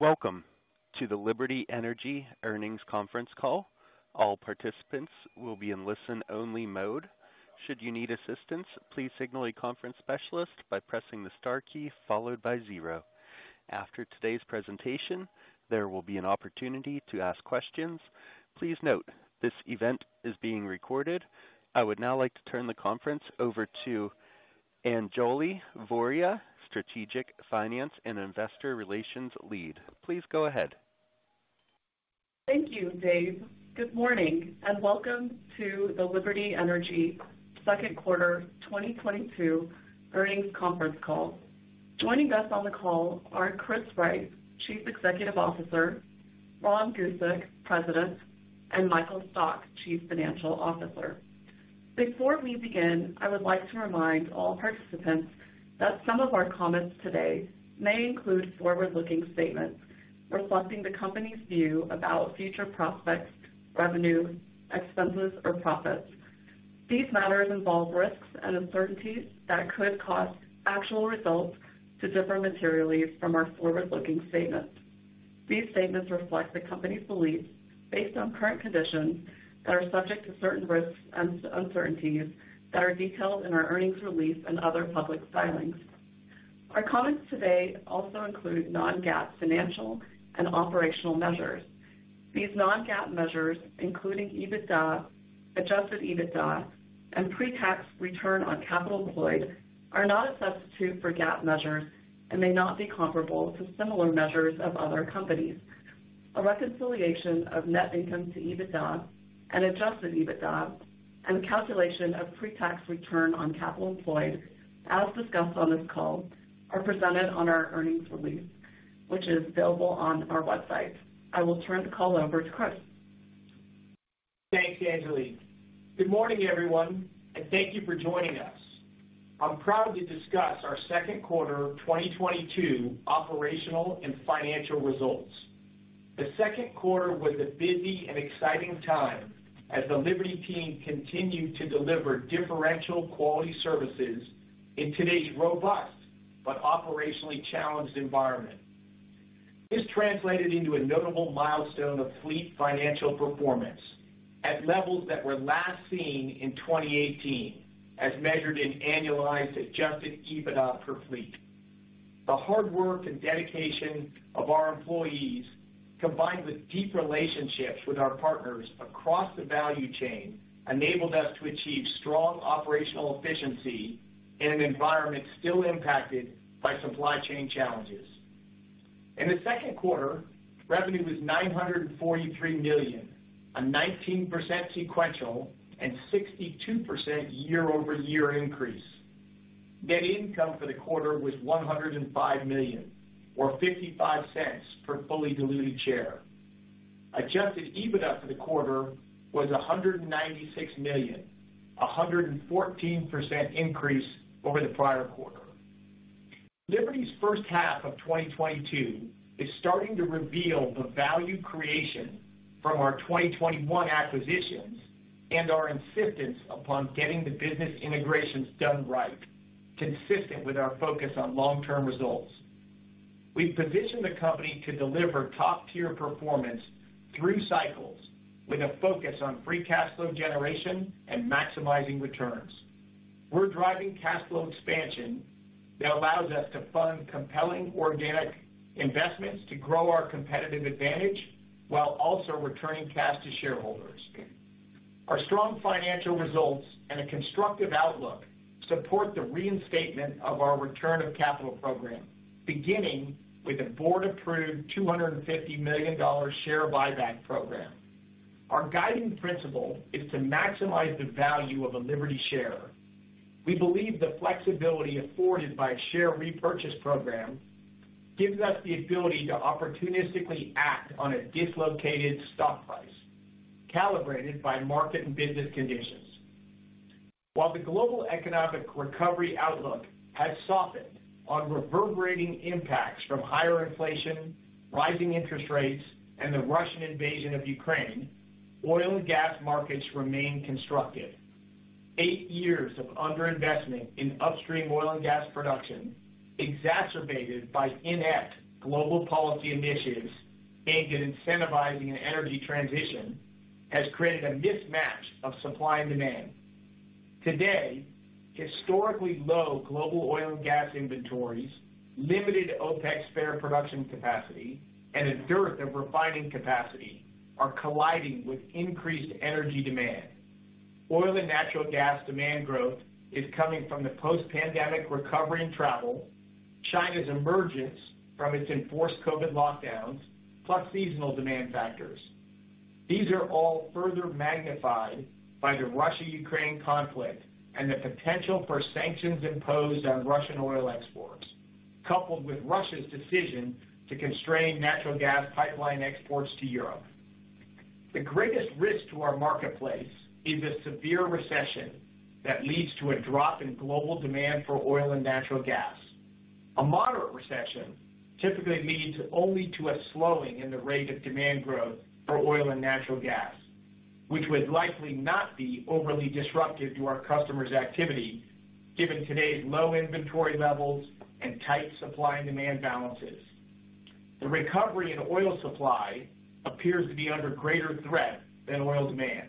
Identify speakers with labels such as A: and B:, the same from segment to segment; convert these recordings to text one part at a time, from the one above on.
A: Welcome to the Liberty Energy Earnings Conference Call. All participants will be in listen-only mode. Should you need assistance, please signal a conference specialist by pressing the star key followed by zero. After today's presentation, there will be an opportunity to ask questions. Please note this event is being recorded. I would now like to turn the conference over to Anjali Voria, Strategic Finance and Investor Relations Lead. Please go ahead.
B: Thank you, Dave. Good morning, and welcome to the Liberty Energy 2nd Quarter 2022 Earnings Conference Call. Joining us on the call are Chris Wright, Chief Executive Officer, Ron Gusek, President, and Michael Stock, Chief Financial Officer. Before we begin, I would like to remind all participants that some of our comments today may include forward-looking statements reflecting the company's view about future prospects, revenue, expenses, or profits. These matters involve risks and uncertainties that could cause actual results to differ materially from our forward-looking statements. These statements reflect the company's beliefs based on current conditions that are subject to certain risks and uncertainties that are detailed in our earnings release and other public filings. Our comments today also include non-GAAP financial and operational measures. These non-GAAP measures, including EBITDA, Adjusted EBITDA, and Pre-tax Return on Capital Employed, are not a substitute for GAAP measures and may not be comparable to similar measures of other companies. A reconciliation of net income to EBITDA and Adjusted EBITDA and calculation of Pre-tax Return on Capital Employed, as discussed on this call, are presented on our earnings release, which is available on our website. I will turn the call over to Chris.
C: Thanks Anjali. Good morning, everyone, and thank you for joining us. I'm proud to discuss our second quarter 2022 operational and financial results. The 2nd quarter was a busy and exciting time as the Liberty team continued to deliver differential quality services in today's robust but operationally challenged environment. This translated into a notable milestone of fleet financial performance at levels that were last seen in 2018 as measured in annualized adjusted EBITDA per fleet. The hard work and dedication of our employees, combined with deep relationships with our partners across the value chain, enabled us to achieve strong operational efficiency in an environment still impacted by supply chain challenges. In the 2nd quarter, revenue was $943 million, a 19% sequential and 62% year-over-year increase. Net income for the quarter was $105 million, or $0.55 per fully diluted share. Adjusted EBITDA for the quarter was $196 million, 114% increase over the prior quarter. Liberty's first half of 2022 is starting to reveal the value creation from our 2021 acquisitions and our insistence upon getting the business integrations done right, consistent with our focus on long-term results. We've positioned the company to deliver top-tier performance through cycles with a focus on free cash flow generation and maximizing returns. We're driving cash flow expansion that allows us to fund compelling organic investments to grow our competitive advantage while also returning cash to shareholders. Our strong financial results and a constructive outlook support the reinstatement of our return of capital program, beginning with a board-approved $250 million share buyback program. Our guiding principle is to maximize the value of a Liberty share. We believe the flexibility afforded by a share repurchase program gives us the ability to opportunistically act on a dislocated stock price, calibrated by market and business conditions. While the global economic recovery outlook has softened on reverberating impacts from higher inflation, rising interest rates, and the Russian invasion of Ukraine, oil and gas markets remain constrained. Eight years of under-investment in upstream oil and gas production, exacerbated by inept global policy initiatives aimed at incentivizing an energy transition, has created a mismatch of supply and demand. Today, historically low global oil and gas inventories, limited OPEC spare production capacity, and a dearth of refining capacity are colliding with increased energy demand. Oil and natural gas demand growth is coming from the post-pandemic recovery in travel, China's emergence from its enforced COVID lockdowns, plus seasonal demand factors. These are all further magnified by the Russia-Ukraine conflict and the potential for sanctions imposed on Russian oil exports, coupled with Russia's decision to constrain natural gas pipeline exports to Europe. The greatest risk to our marketplace is a severe recession that leads to a drop in global demand for oil and natural gas. A moderate recession typically leads only to a slowing in the rate of demand growth for oil and natural gas. Which would likely not be overly disruptive to our customers' activity, given today's low inventory levels and tight supply and demand balances. The recovery in oil supply appears to be under greater threat than oil demand.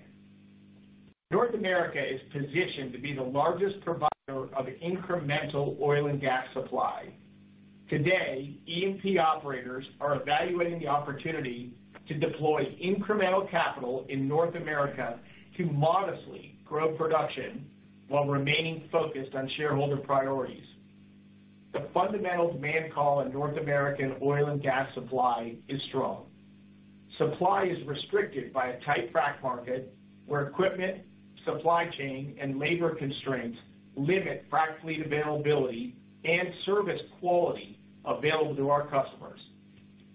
C: North America is positioned to be the largest provider of incremental oil and gas supply. Today, E&P operators are evaluating the opportunity to deploy incremental capital in North America to modestly grow production while remaining focused on shareholder priorities. The fundamental demand call in North American oil and gas supply is strong. Supply is restricted by a tight frac market where equipment, supply chain, and labor constraints limit frac fleet availability and service quality available to our customers.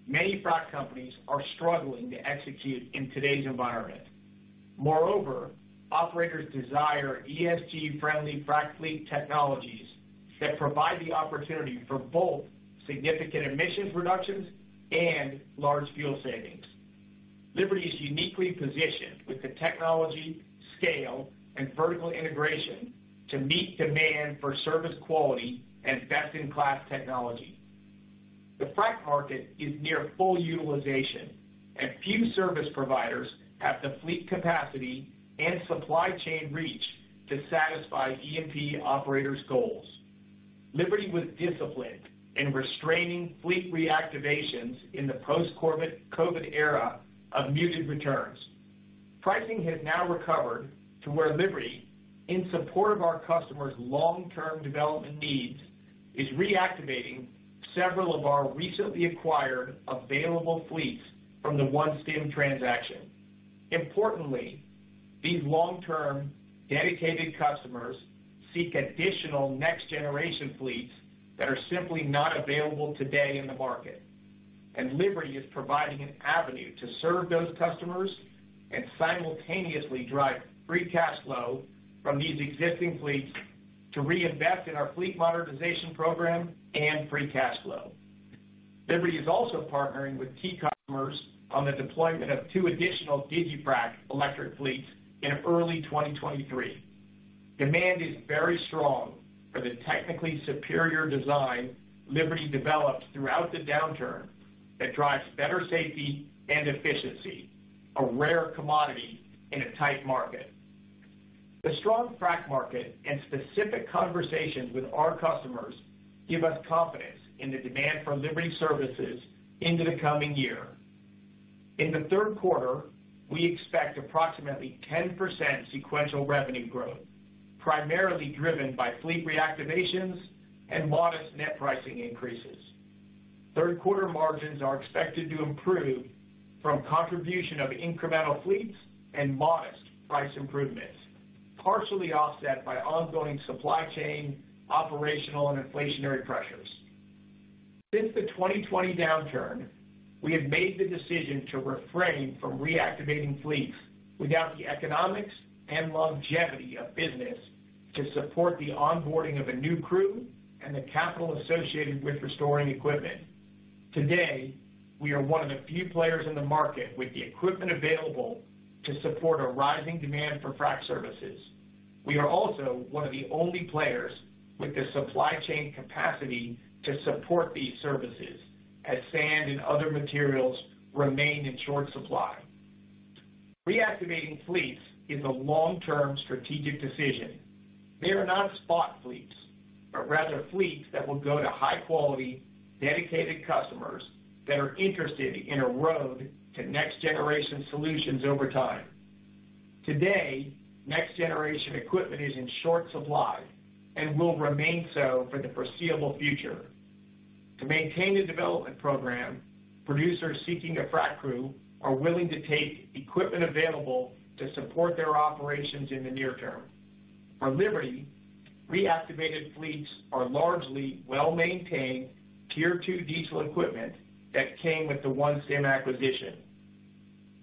C: Many frac companies are struggling to execute in today's environment. Moreover, operators desire ESG-friendly frac fleet technologies that provide the opportunity for both significant emissions reductions and large fuel savings. Liberty is uniquely positioned with the technology, scale, and vertical integration to meet demand for service quality and best-in-class technology. The frac market is near full utilization, and few service providers have the fleet capacity and supply chain reach to satisfy E&P operators' goals. Liberty was disciplined in restraining fleet reactivations in the post-COVID era of muted returns. Pricing has now recovered to where Liberty, in support of our customers' long-term development needs, is reactivating several of our recently acquired available fleets from the OneStim transaction. Importantly, these long-term dedicated customers seek additional next-generation fleets that are simply not available today in the market. Liberty is providing an avenue to serve those customers and simultaneously drive free cash flow from these existing fleets to reinvest in our fleet modernization program and free cash flow. Liberty is also partnering with key customers on the deployment of 2 additional digiFrac electric fleets in early 2023. Demand is very strong for the technically superior design Liberty developed throughout the downturn that drives better safety and efficiency, a rare commodity in a tight market. The strong frac market and specific conversations with our customers give us confidence in the demand for Liberty services into the coming year. In the 3rd quarter, we expect approximately 10% sequential revenue growth, primarily driven by fleet reactivations and modest net pricing increases. Third quarter margins are expected to improve from contribution of incremental fleets and modest price improvements, partially offset by ongoing supply chain, operational, and inflationary pressures. Since the 2020 downturn, we have made the decision to refrain from reactivating fleets without the economics and longevity of business to support the onboarding of a new crew and the capital associated with restoring equipment. Today, we are one of the few players in the market with the equipment available to support a rising demand for frac services. We are also one of the only players with the supply chain capacity to support these services as sand and other materials remain in short supply. Reactivating fleets is a long-term strategic decision. They are not spot fleets, but rather fleets that will go to high quality, dedicated customers that are interested in a road to next-generation solutions over time. Today, next-generation equipment is in short supply and will remain so for the foreseeable future. To maintain a development program, producers seeking a frac crew are willing to take equipment available to support their operations in the near term. For Liberty, reactivated fleets are largely well-maintained Tier 2 diesel equipment that came with the OneStim acquisition.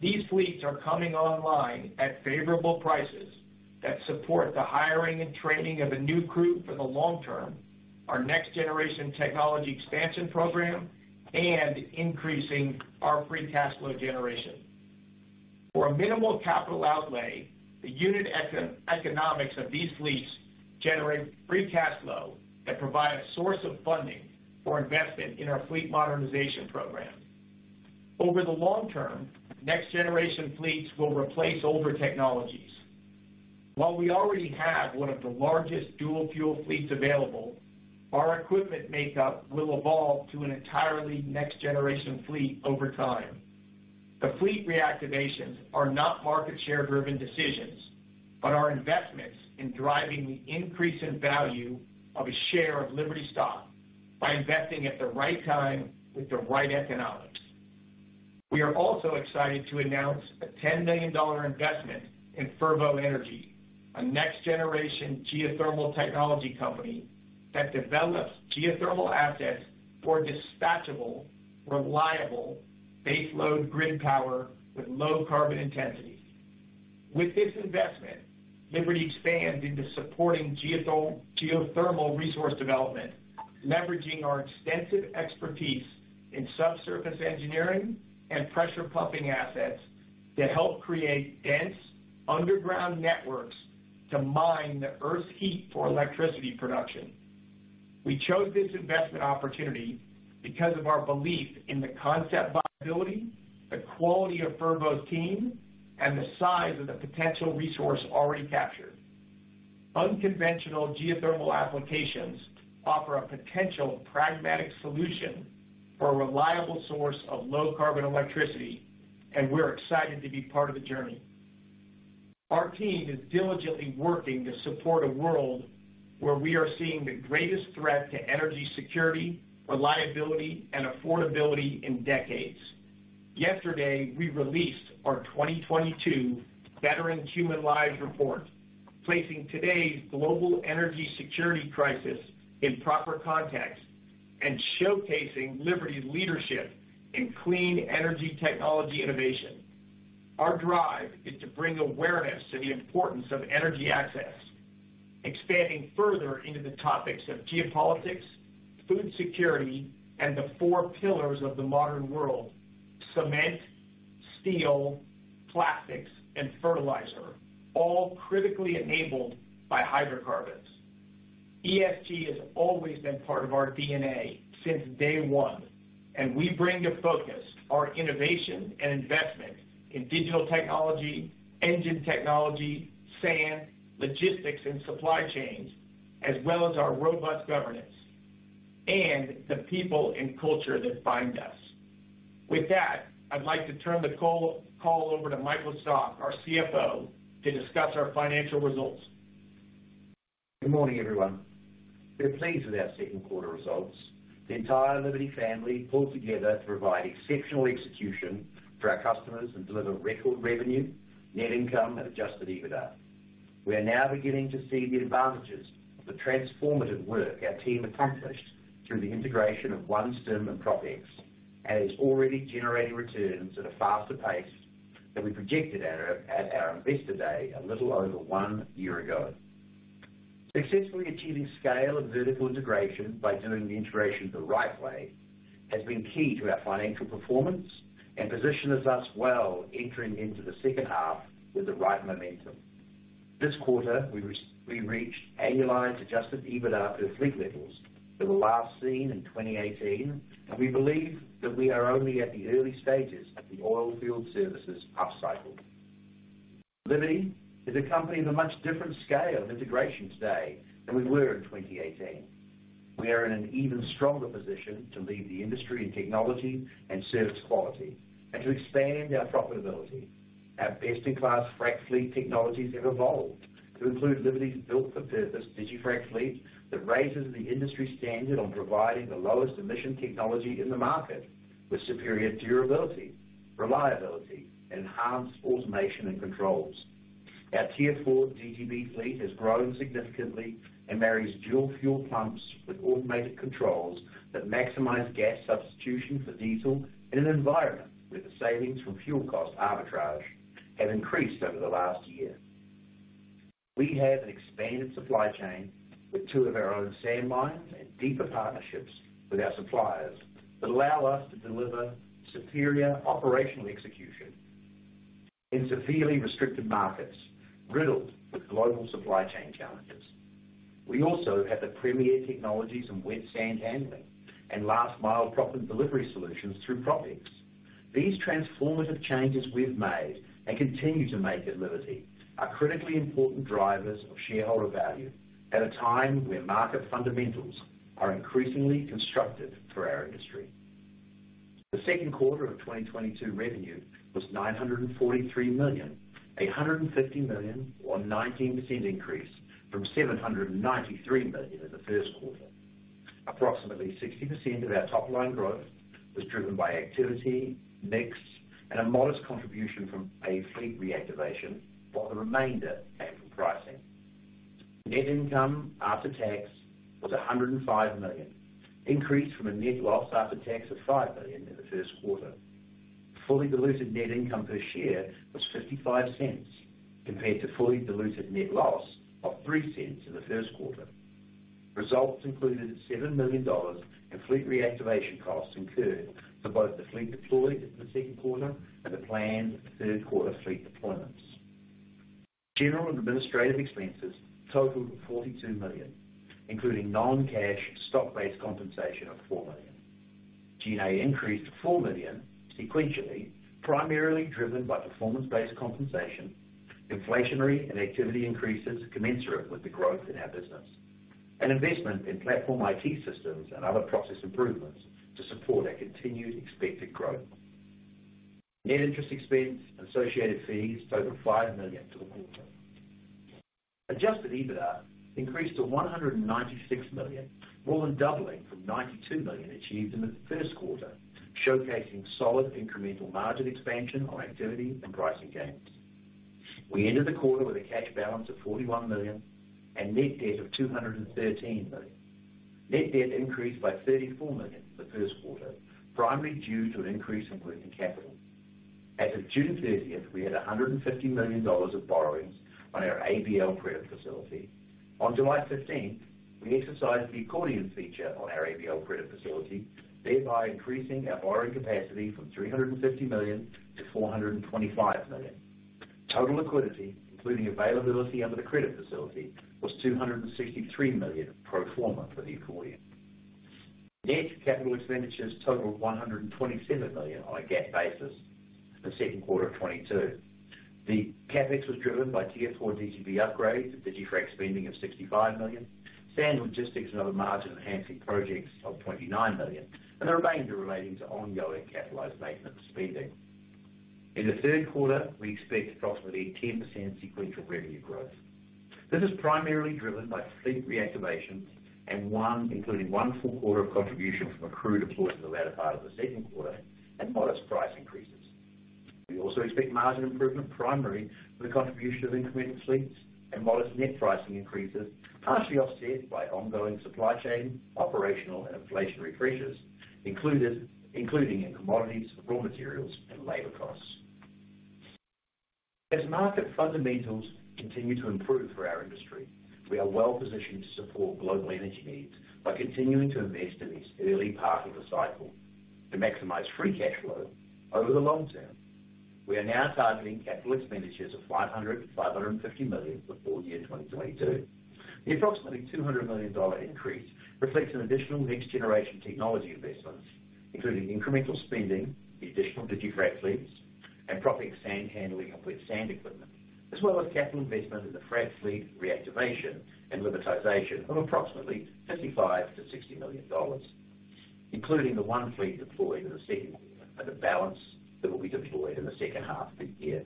C: These fleets are coming online at favorable prices that support the hiring and training of a new crew for the long term, our next-generation technology expansion program, and increasing our free cash flow generation. For a minimal capital outlay, the unit economics of these fleets generate free cash flow that provide a source of funding for investment in our fleet modernization program. Over the long term, next-generation fleets will replace older technologies. While we already have one of the largest dual fuel fleets available, our equipment makeup will evolve to an entirely next-generation fleet over time. The fleet reactivations are not market share driven decisions, but are investments in driving the increase in value of a share of Liberty stock by investing at the right time with the right economics. We are also excited to announce a $10 million investment in Fervo Energy, a next-generation geothermal technology company that develops geothermal assets for dispatchable, reliable baseload grid power with low carbon intensity. With this investment, Liberty expand into supporting geothermal resource development, leveraging our extensive expertise in subsurface engineering and pressure pumping assets to help create dense underground networks to mine the Earth's heat for electricity production. We chose this investment opportunity because of our belief in the concept viability, the quality of Fervo's team, and the size of the potential resource already captured. Unconventional geothermal applications offer a potential pragmatic solution for a reliable source of low carbon electricity, and we're excited to be part of the journey. Our team is diligently working to support a world where we are seeing the greatest threat to energy security, reliability, and affordability in decades. Yesterday, we released our 2022 Bettering Human Lives report, placing today's global energy security crisis in proper context and showcasing Liberty's leadership in clean energy technology innovation. Our drive is to bring awareness to the importance of energy access, expanding further into the topics of geopolitics, food security, and the four pillars of the modern world, cement, steel, plastics, and fertilizer, all critically enabled by hydrocarbons. ESG has always been part of our DNA since day 1, and we bring to focus our innovation and investment in digital technology, engine technology, sand, logistics, and supply chains, as well as our robust governance and the people and culture that bind us. With that, I'd like to turn the call over to Michael Stock, our CFO, to discuss our financial results.
D: Good morning, everyone. We're pleased with our second quarter results. The entire Liberty family pulled together to provide exceptional execution for our customers and deliver record revenue, net income, and adjusted EBITDA. We are now beginning to see the advantages of the transformative work our team accomplished through the integration of OneStim and PropX, and is already generating returns at a faster pace than we projected at our Investor Day a little over one year ago. Successfully achieving scale and vertical integration by doing the integration the right way has been key to our financial performance and positions us well entering into the second half with the right momentum. This quarter, we reached annualized Adjusted EBITDA per fleet levels that were last seen in 2018, and we believe that we are only at the early stages of the oil field services upcycle. Liberty is a company of a much different scale of integration today than we were in 2018. We are in an even stronger position to lead the industry in technology and service quality and to expand our profitability. Our best-in-class frac fleet technologies have evolved to include Liberty's built-for-purpose digiFrac fleet that raises the industry standard on providing the lowest emission technology in the market with superior durability, reliability, and enhanced automation and controls. Our Tier 4 DGB fleet has grown significantly and marries dual fuel pumps with automated controls that maximize gas substitution for diesel in an environment where the savings from fuel cost arbitrage have increased over the last year. We have an expanded supply chain with 2 of our own sand mines and deeper partnerships with our suppliers that allow us to deliver superior operational execution in severely restricted markets riddled with global supply chain challenges. We also have the premier technologies in wet sand handling and last mile proppant delivery solutions through PropX. These transformative changes we've made and continue to make at Liberty are critically important drivers of shareholder value at a time where market fundamentals are increasingly constructive for our industry. The second quarter of 2022 revenue was $943 million, $150 million or 19% increase from $793 million in the 1st quarter. Approximately 60% of our top line growth was driven by activity, mix, and a modest contribution from a fleet reactivation, while the reminder came from pricing. Net income after tax was $105 million, increased from a net loss after tax of $5 million in the 1st quarter. Fully diluted net income per share was $0.55 compared to fully diluted net loss of $0.03 in the 1st quarter. Results included $7 million in fleet reactivation costs incurred for both the fleet deployed in the 2nd quarter and the planned 3rd quarter fleet deployments. General and administrative expenses totaled $42 million, including non-cash stock-based compensation of $4 million. G&A increased $4 million sequentially, primarily driven by performance-based compensation, inflationary and activity increases commensurate with the growth in our business, and investment in platform IT systems and other process improvements to support our continued expected growth. Net interest expense and associated fees totaled $5 million for the quarter. Adjusted EBITDA increased to $196 million, more than doubling from $92 million achieved in the 1st quarter, showcasing solid incremental margin expansion on activity and pricing gains. We ended the quarter with a cash balance of $41 million and net debt of $213 million. Net debt increased by $34 million in the 1st quarter, primarily due to an increase in working capital. As of June 30th, we had $150 million of borrowings on our ABL credit facility. On July 15th, we exercised the accordion feature on our ABL credit facility, thereby increasing our borrowing capacity from $350 million to $425 million. Total liquidity, including availability under the credit facility, was $263 million pro forma for the accordion. Net capital expenditures totaled $127 million on a GAAP basis in the 2nd quarter of 2022. The CapEx was driven by Tier 4DGB upgrades and digiFrac spending of $65 million, sand logistics and other margin-enhancing projects of $29 million, and the remainder relating to ongoing capitalized maintenance spending. In the 3rd quarter, we expect approximately 10% sequential revenue growth. This is primarily driven by fleet reactivation and including one full quarter of contribution from a crew deployed in the latter part of the 2nd quarter and modest price increases. We also expect margin improvement primarily for the contribution of incremental fleets and modest net pricing increases, partially offset by ongoing supply chain, operational and inflationary pressures including in commodities, raw materials, and labor costs. As market fundamentals continue to improve for our industry, we are well-positioned to support global energy needs by continuing to invest in this early part of the cycle to maximize free cash flow over the long term. We are now targeting capital expenditures of $500 million-$550 million for full year 2022. The approximately $200 million increase reflects an additional next-generation technology investments, including incremental spending, the additional digiFrac fleets, and proppant and sand handling of wet sand equipment, as well as capital investment in the frac fleet reactivation and Libertization of approximately $55 million-$60 million, including the one fleet deployed in the 2nd quarter and the balance that will be deployed in the second half of the year.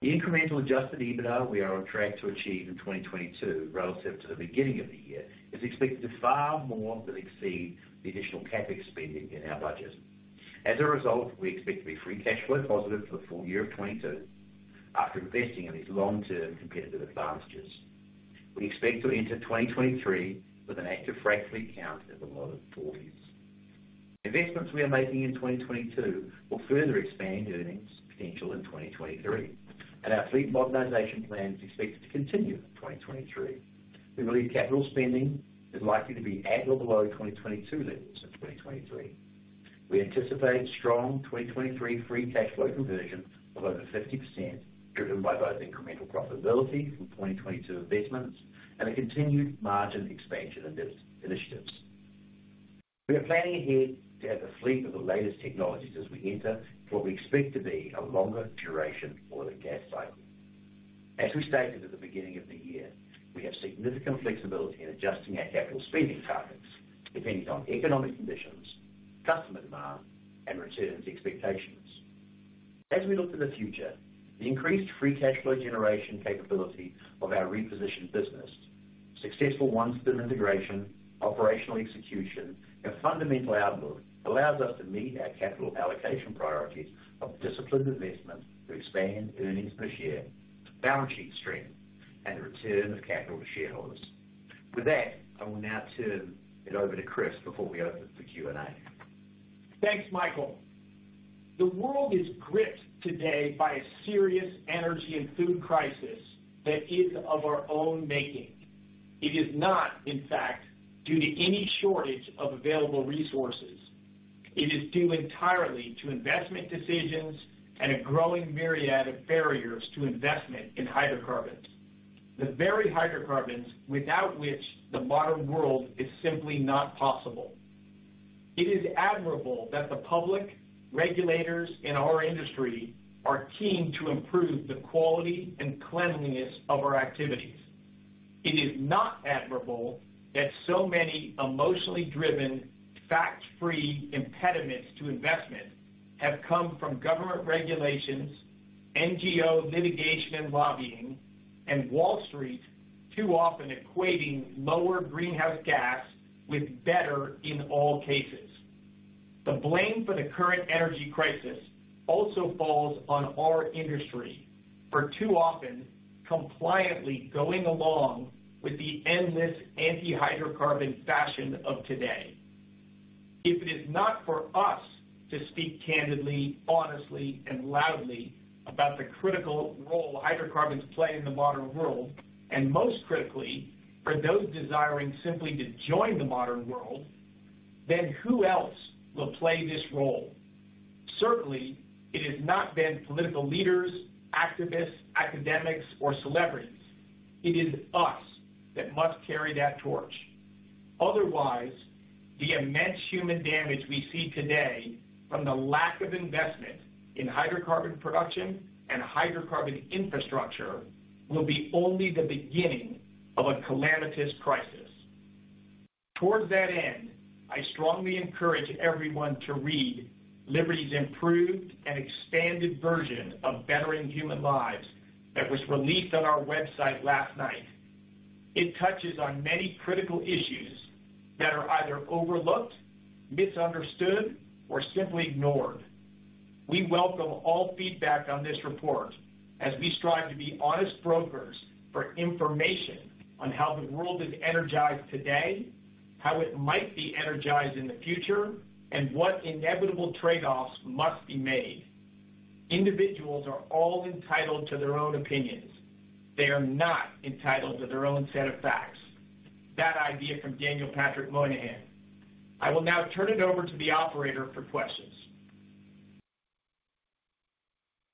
D: The incremental adjusted EBITDA we are on track to achieve in 2022 relative to the beginning of the year is expected to far more than exceed the additional CapEx spending in our budget. We expect to be free cash flow positive for the full year of 2022 after investing in these long-term competitive advantages. We expect to enter 2023 with an active frac fleet count of about 40. Investments we are making in 2022 will further expand earnings potential in 2023, and our fleet modernization plans are expected to continue in 2023. We believe capital spending is likely to be at or below 2022 levels in 2023. We anticipate strong 2023 free cash flow conversion of over 50%, driven by both incremental profitability from 2022 investments and a continued margin expansion initiatives. We are planning ahead to have a fleet of the latest technologies as we enter what we expect to be a longer duration oil and gas cycle. As we stated at the beginning of the year, we have significant flexibility in adjusting our capital spending targets depending on economic conditions, customer demand, and returns expectations. As we look to the future, the increased free cash flow generation capability of our repositioned business, successful OneStim integration, operational execution and fundamental outlook allows us to meet our capital allocation priorities of disciplined investment to expand earnings per share, balance sheet strength, and the return of capital to shareholders. With that, I will now turn it over to Chris before we open for Q&A.
C: Thanks Michael. The world is gripped today by a serious energy and food crisis that is of our own making. It is not, in fact, due to any shortage of available resources. It is due entirely to investment decisions and a growing myriad of barriers to investment in hydrocarbons. The very hydrocarbons without which the modern world is simply not possible. It is admirable that the public, regulators, and our industry are keen to improve the quality and cleanliness of our activities. It is not admirable that so many emotionally driven, fact-free impediments to investment have come from government regulations, NGO litigation and lobbying, and Wall Street too often equating lower greenhouse gas with better in all cases. The blame for the current energy crisis also falls on our industry for too often compliantly going along with the endless anti-hydrocarbon fashion of today. If it is not for us to speak candidly, honestly, and loudly about the critical role hydrocarbons play in the modern world, and most critically, for those desiring simply to join the modern world, then who else will play this role? Certainly, it has not been political leaders, activists, academics, or celebrities. It is us that must carry that torch. Otherwise, the immense human damage we see today from the lack of investment in hydrocarbon production and hydrocarbon infrastructure will be only the beginning of a calamitous crisis. Toward that end, I strongly encourage everyone to read Liberty's improved and expanded version of Bettering Human Lives that was released on our website last night. It touches on many critical issues that are either overlooked, misunderstood, or simply ignored. We welcome all feedback on this report as we strive to be honest brokers for information on how the world is energized today, how it might be energized in the future, and what inevitable trade-offs must be made. Individuals are all entitled to their own opinions. They are not entitled to their own set of facts. That idea from Daniel Patrick Moynihan. I will now turn it over to the operator for questions.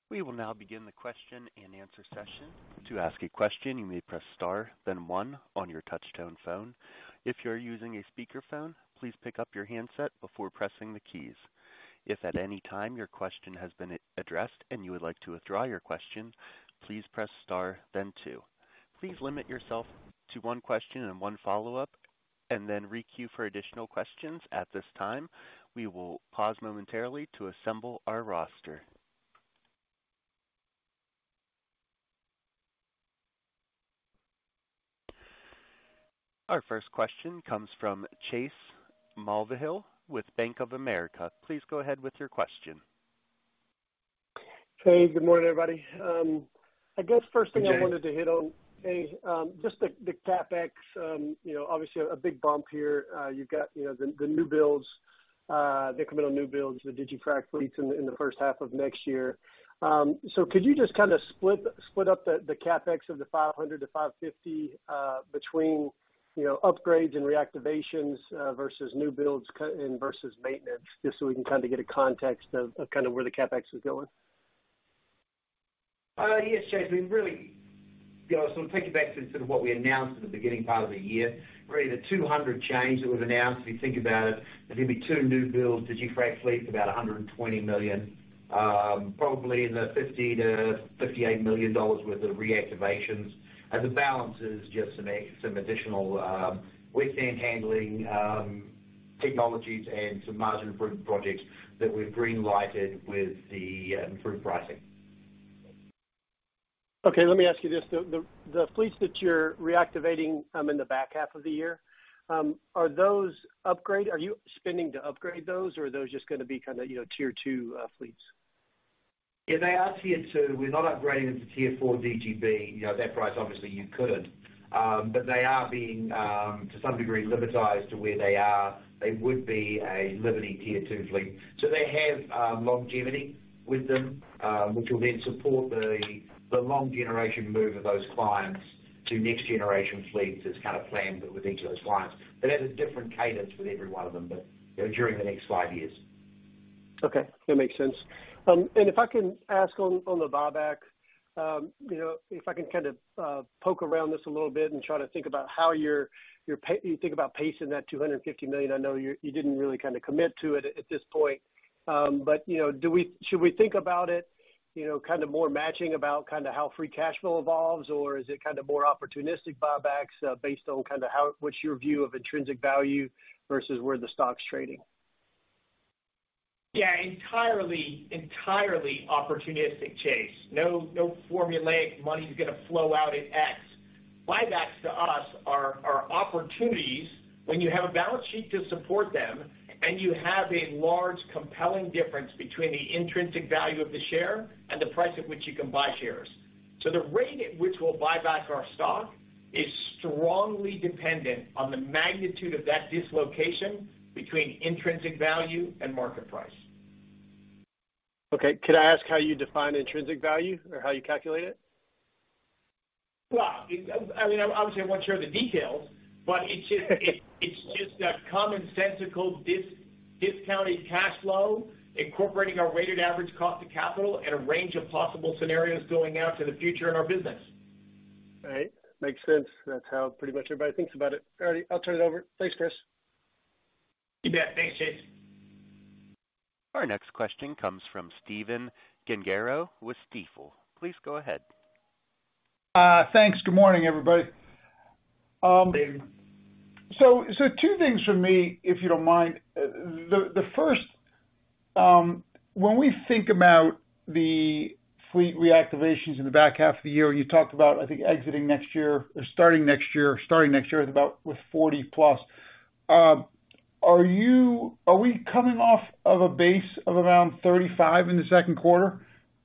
A: We will now begin the question-and-answer session. To ask a question, you may press star, then one on your touchtone phone. If you're using a speakerphone, please pick up your handset before pressing the keys. If at any time your question has been addressed and you would like to withdraw your question, please press star then two. Please limit yourself to one question and one follow-up, and then re-queue for additional questions at this time. We will pause momentarily to assemble our roster. Our first question comes from Chase Mulvihill with Bank of America. Please go ahead with your question.
E: Hey, good morning, everybody. I guess first thing I wanted to hit on is just the CapEx, you know, obviously a big bump here. You've got, you know, the new builds, the incremental new builds, the digiFrac fleets in the first half of next year. Could you just kinda split up the CapEx of $500-$550 million between, you know, upgrades and reactivations versus new builds and versus maintenance, just so we can kind of get a context of kinda where the CapEx is going?
C: Yes, Chase. You know, we'll take you back to sort of what we announced at the beginning part of the year, where the $200 million capex that was announced, if you think about it, there's gonna be 2 new builds, digiFrac fleets about $120 million, probably in the $50 million-$58 million worth of reactivations. The balance is just some additional wet sand handling technologies and some margin improvement projects that we've green-lighted with the improved pricing.
E: Okay, let me ask you this. The fleets that you're reactivating in the back half of the year, are those upgrade? Are you spending to upgrade those, or are those just gonna be kinda, you know, Tier 2 fleets?
C: Yeah, they are Tier 2. We're not upgrading them to Tier 4DGB. You know, at that price, obviously, you couldn't. But they are being, to some degree, Libertized to where they are. They would be a Liberty Tier 2 fleet. So they have longevity with them, which will then support the long generation move of those clients to next generation fleets as kind of planned with each of those clients. They have a different cadence with every one of them, but, you know, during the next 5 years.
E: Okay, that makes sense. If I can ask on the buyback, you know, if I can kind of poke around this a little bit and try to think about how you think about pacing that $250 million. I know you didn't really kinda commit to it at this point. You know, should we think about it, you know, kind of more matching kinda how free cash flow evolves, or is it kinda more opportunistic buybacks, based on kinda what's your view of intrinsic value versus where the stock's trading?
C: Yeah, entirely opportunistic, Chase. No, no formulaic money's gonna flow out at X. Buybacks to us are opportunities when you have a balance sheet to support them, and you have a large compelling difference between the intrinsic value of the share and the price at which you can buy shares. The rate at which we'll buy back our stock is strongly dependent on the magnitude of that dislocation between intrinsic value and market price.
E: Okay. Could I ask how you define intrinsic value or how you calculate it?
C: Well, I mean, obviously, I won't share the details, but it's just a commonsensical discounted cash flow incorporating our weighted average cost of capital at a range of possible scenarios going out to the future in our business.
E: All right. Makes sense. That's how pretty much everybody thinks about it. All right, I'll turn it over. Thanks, Chris.
C: You bet. Thanks, Chase.
A: Our next question comes from Stephen Gengaro with Stifel. Please go ahead.
F: Thanks. Good morning, everybody.
C: Good morning.
F: Two things from me, if you don't mind. The first, when we think about the fleet reactivations in the back half of the year, you talked about, I think, exiting next year or starting next year with about 40+. Are we coming off of a base of around 35 in the 2nd quarter?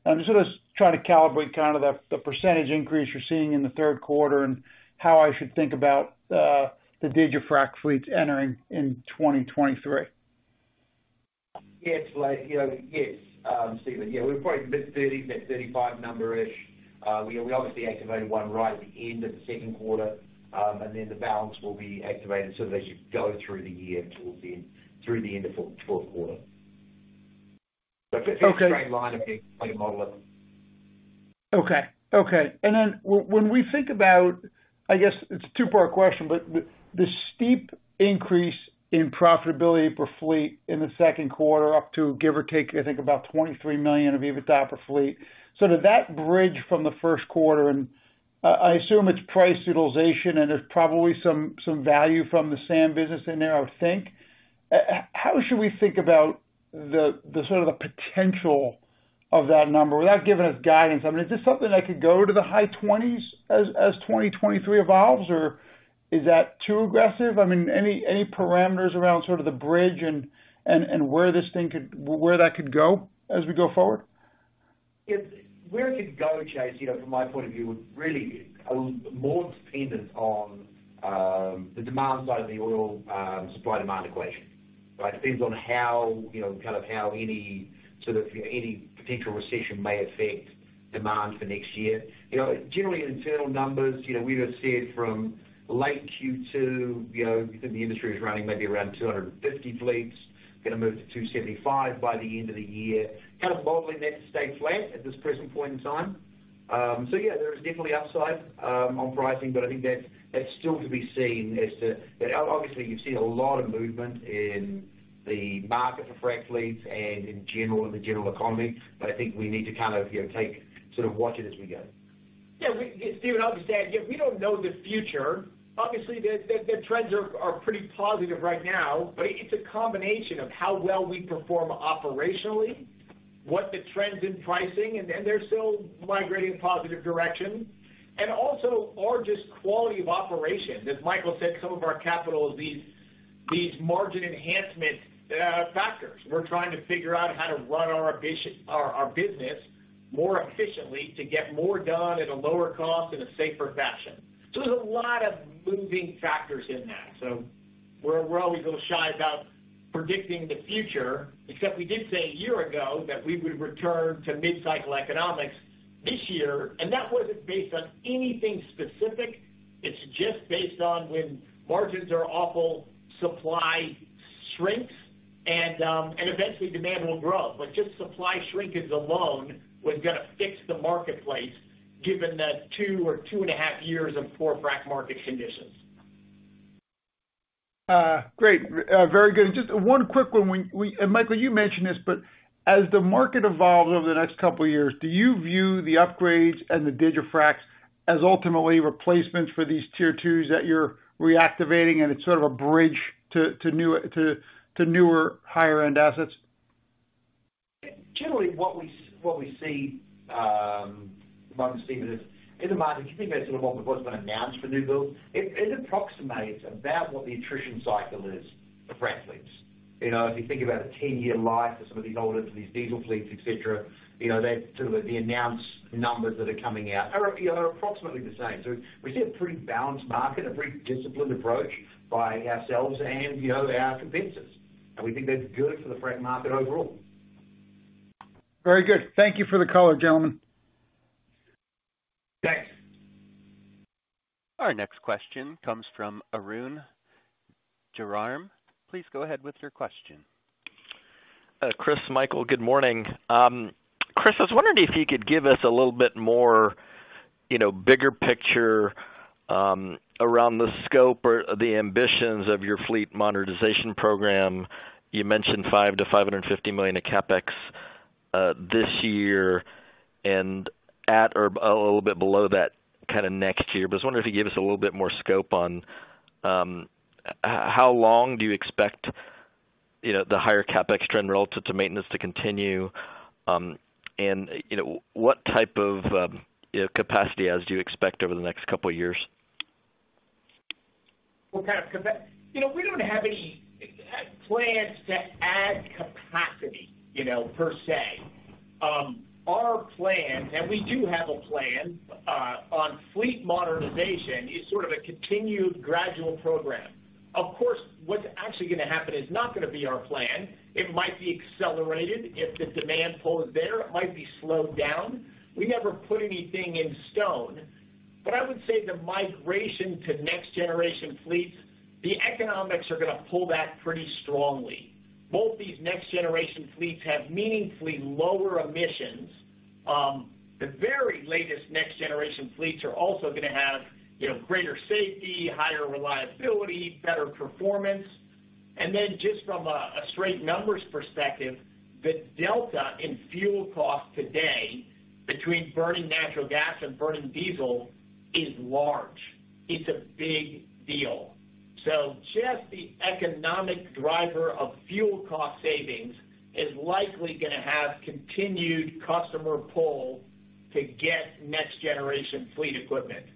F: I'm just gonna try to calibrate kind of the percentage increase you're seeing in the third quarter and how I should think about the digiFrac fleets entering in 2023.
C: Yeah. It's like, you know, yes, Stephen. Yeah, we're probably mid-thirties, mid-thirty-five number-ish. We obviously activated one right at the end of the second quarter. The balance will be activated sort of as you go through the year towards the end through the end of 4th quarter.
F: Okay.
C: It's a very straight line if you wanna model it.
F: Okay. Then when we think about, I guess it's a two-part question, but the steep increase in profitability per fleet in the 2nd quarter up to give or take, I think about $23 million of EBITDA per fleet. Did that bridge from the 1st quarter, and I assume it's price utilization, and there's probably some value from the sand business in there, I would think. How should we think about the sort of the potential of that number without giving us guidance. I mean, is this something that could go to the high 20s as 2023 evolves or is that too aggressive? I mean, any parameters around sort of the bridge and where that could go as we go forward?
D: Where it could go, Chase, you know, from my point of view, would really more dependent on, the demand side of the oil, supply demand equation, right? Depends on how, you know, kind of how any sort of potential recession may affect demand for next year. You know, generally internal numbers, you know, we have seen from late Q2, you know, the industry is running maybe around 250 fleets, gonna move to 275 by the end of the year, kind of modeling that to stay flat at this present point in time. So yeah, there is definitely upside on pricing, but I think that's still to be seen as to. Obviously you've seen a lot of movement in the market for frac fleets and in general, in the general economy. I think we need to kind of, you know, take sort of watch it as we go.
C: Yeah, Stephen, I'll just add, yeah, we don't know the future. Obviously, the trends are pretty positive right now, but it's a combination of how well we perform operationally, what the trends in pricing, and they're still migrating in a positive direction. Also our just quality of operation. As Michael said, some of our capital is these margin enhancement factors. We're trying to figure out how to run our business more efficiently to get more done at a lower cost in a safer fashion. There's a lot of moving factors in that. We're always a little shy about predicting the future, except we did say a year ago that we would return to mid-cycle economics this year, and that wasn't based on anything specific. It's just based on when margins are awful, supply shrinks, and eventually demand will grow. Just supply shrinkages alone was gonna fix the marketplace given the 2 or 2.5 years of poor frac market conditions.
F: Great. Very good. Just one quick one. Michael, you mentioned this, but as the market evolves over the next couple of years, do you view the upgrades and the digiFracs as ultimately replacements for these Tier 2s that you're reactivating, and it's sort of a bridge to newer higher-end assets?
D: Generally what we see, Stephen, is in the market, if you think about sort of what's been announced for new builds, it approximates about what the attrition cycle is for frac fleets. You know, if you think about a 10-year life for some of these older diesel fleets, et cetera, you know, that sort of the announced numbers that are coming out are approximately the same. So we see a pretty balanced market, a pretty disciplined approach by ourselves and, you know, our competitors. We think that's good for the frac market overall.
F: Very good. Thank you for the color, gentlemen.
C: Thanks.
A: Our next question comes from Arun Jayaram. Please go ahead with your question.
G: Chris, Michael, good morning. Chris, I was wondering if you could give us a little bit more, you know, bigger picture, around the scope or the ambitions of your fleet modernization program. You mentioned $5-$550 million of CapEx this year and at or a little bit below that kinda next year. I was wondering if you give us a little bit more scope on, how long do you expect, you know, the higher CapEx trend relative to maintenance to continue, and, you know, what type of, you know, capacity do you expect over the next couple of years?
C: You know, we don't have any plans to add capacity, you know, per se. Our plan, and we do have a plan, on fleet modernization is sort of a continued gradual program. Of course, what's actually gonna happen is not gonna be our plan. It might be accelerated if the demand pulls there. It might be slowed down. We never put anything in stone. I would say the migration to next generation fleets, the economics are gonna pull that pretty strongly. Both these next generation fleets have meaningfully lower emissions. The very latest next generation fleets are also gonna have, you know, greater safety, higher reliability, better performance. Just from a straight numbers perspective, the delta in fuel cost today between burning natural gas and burning diesel is large. It's a big deal. Just the economic driver of fuel cost savings is likely gonna have continued customer pull to get next generation fleet equipment.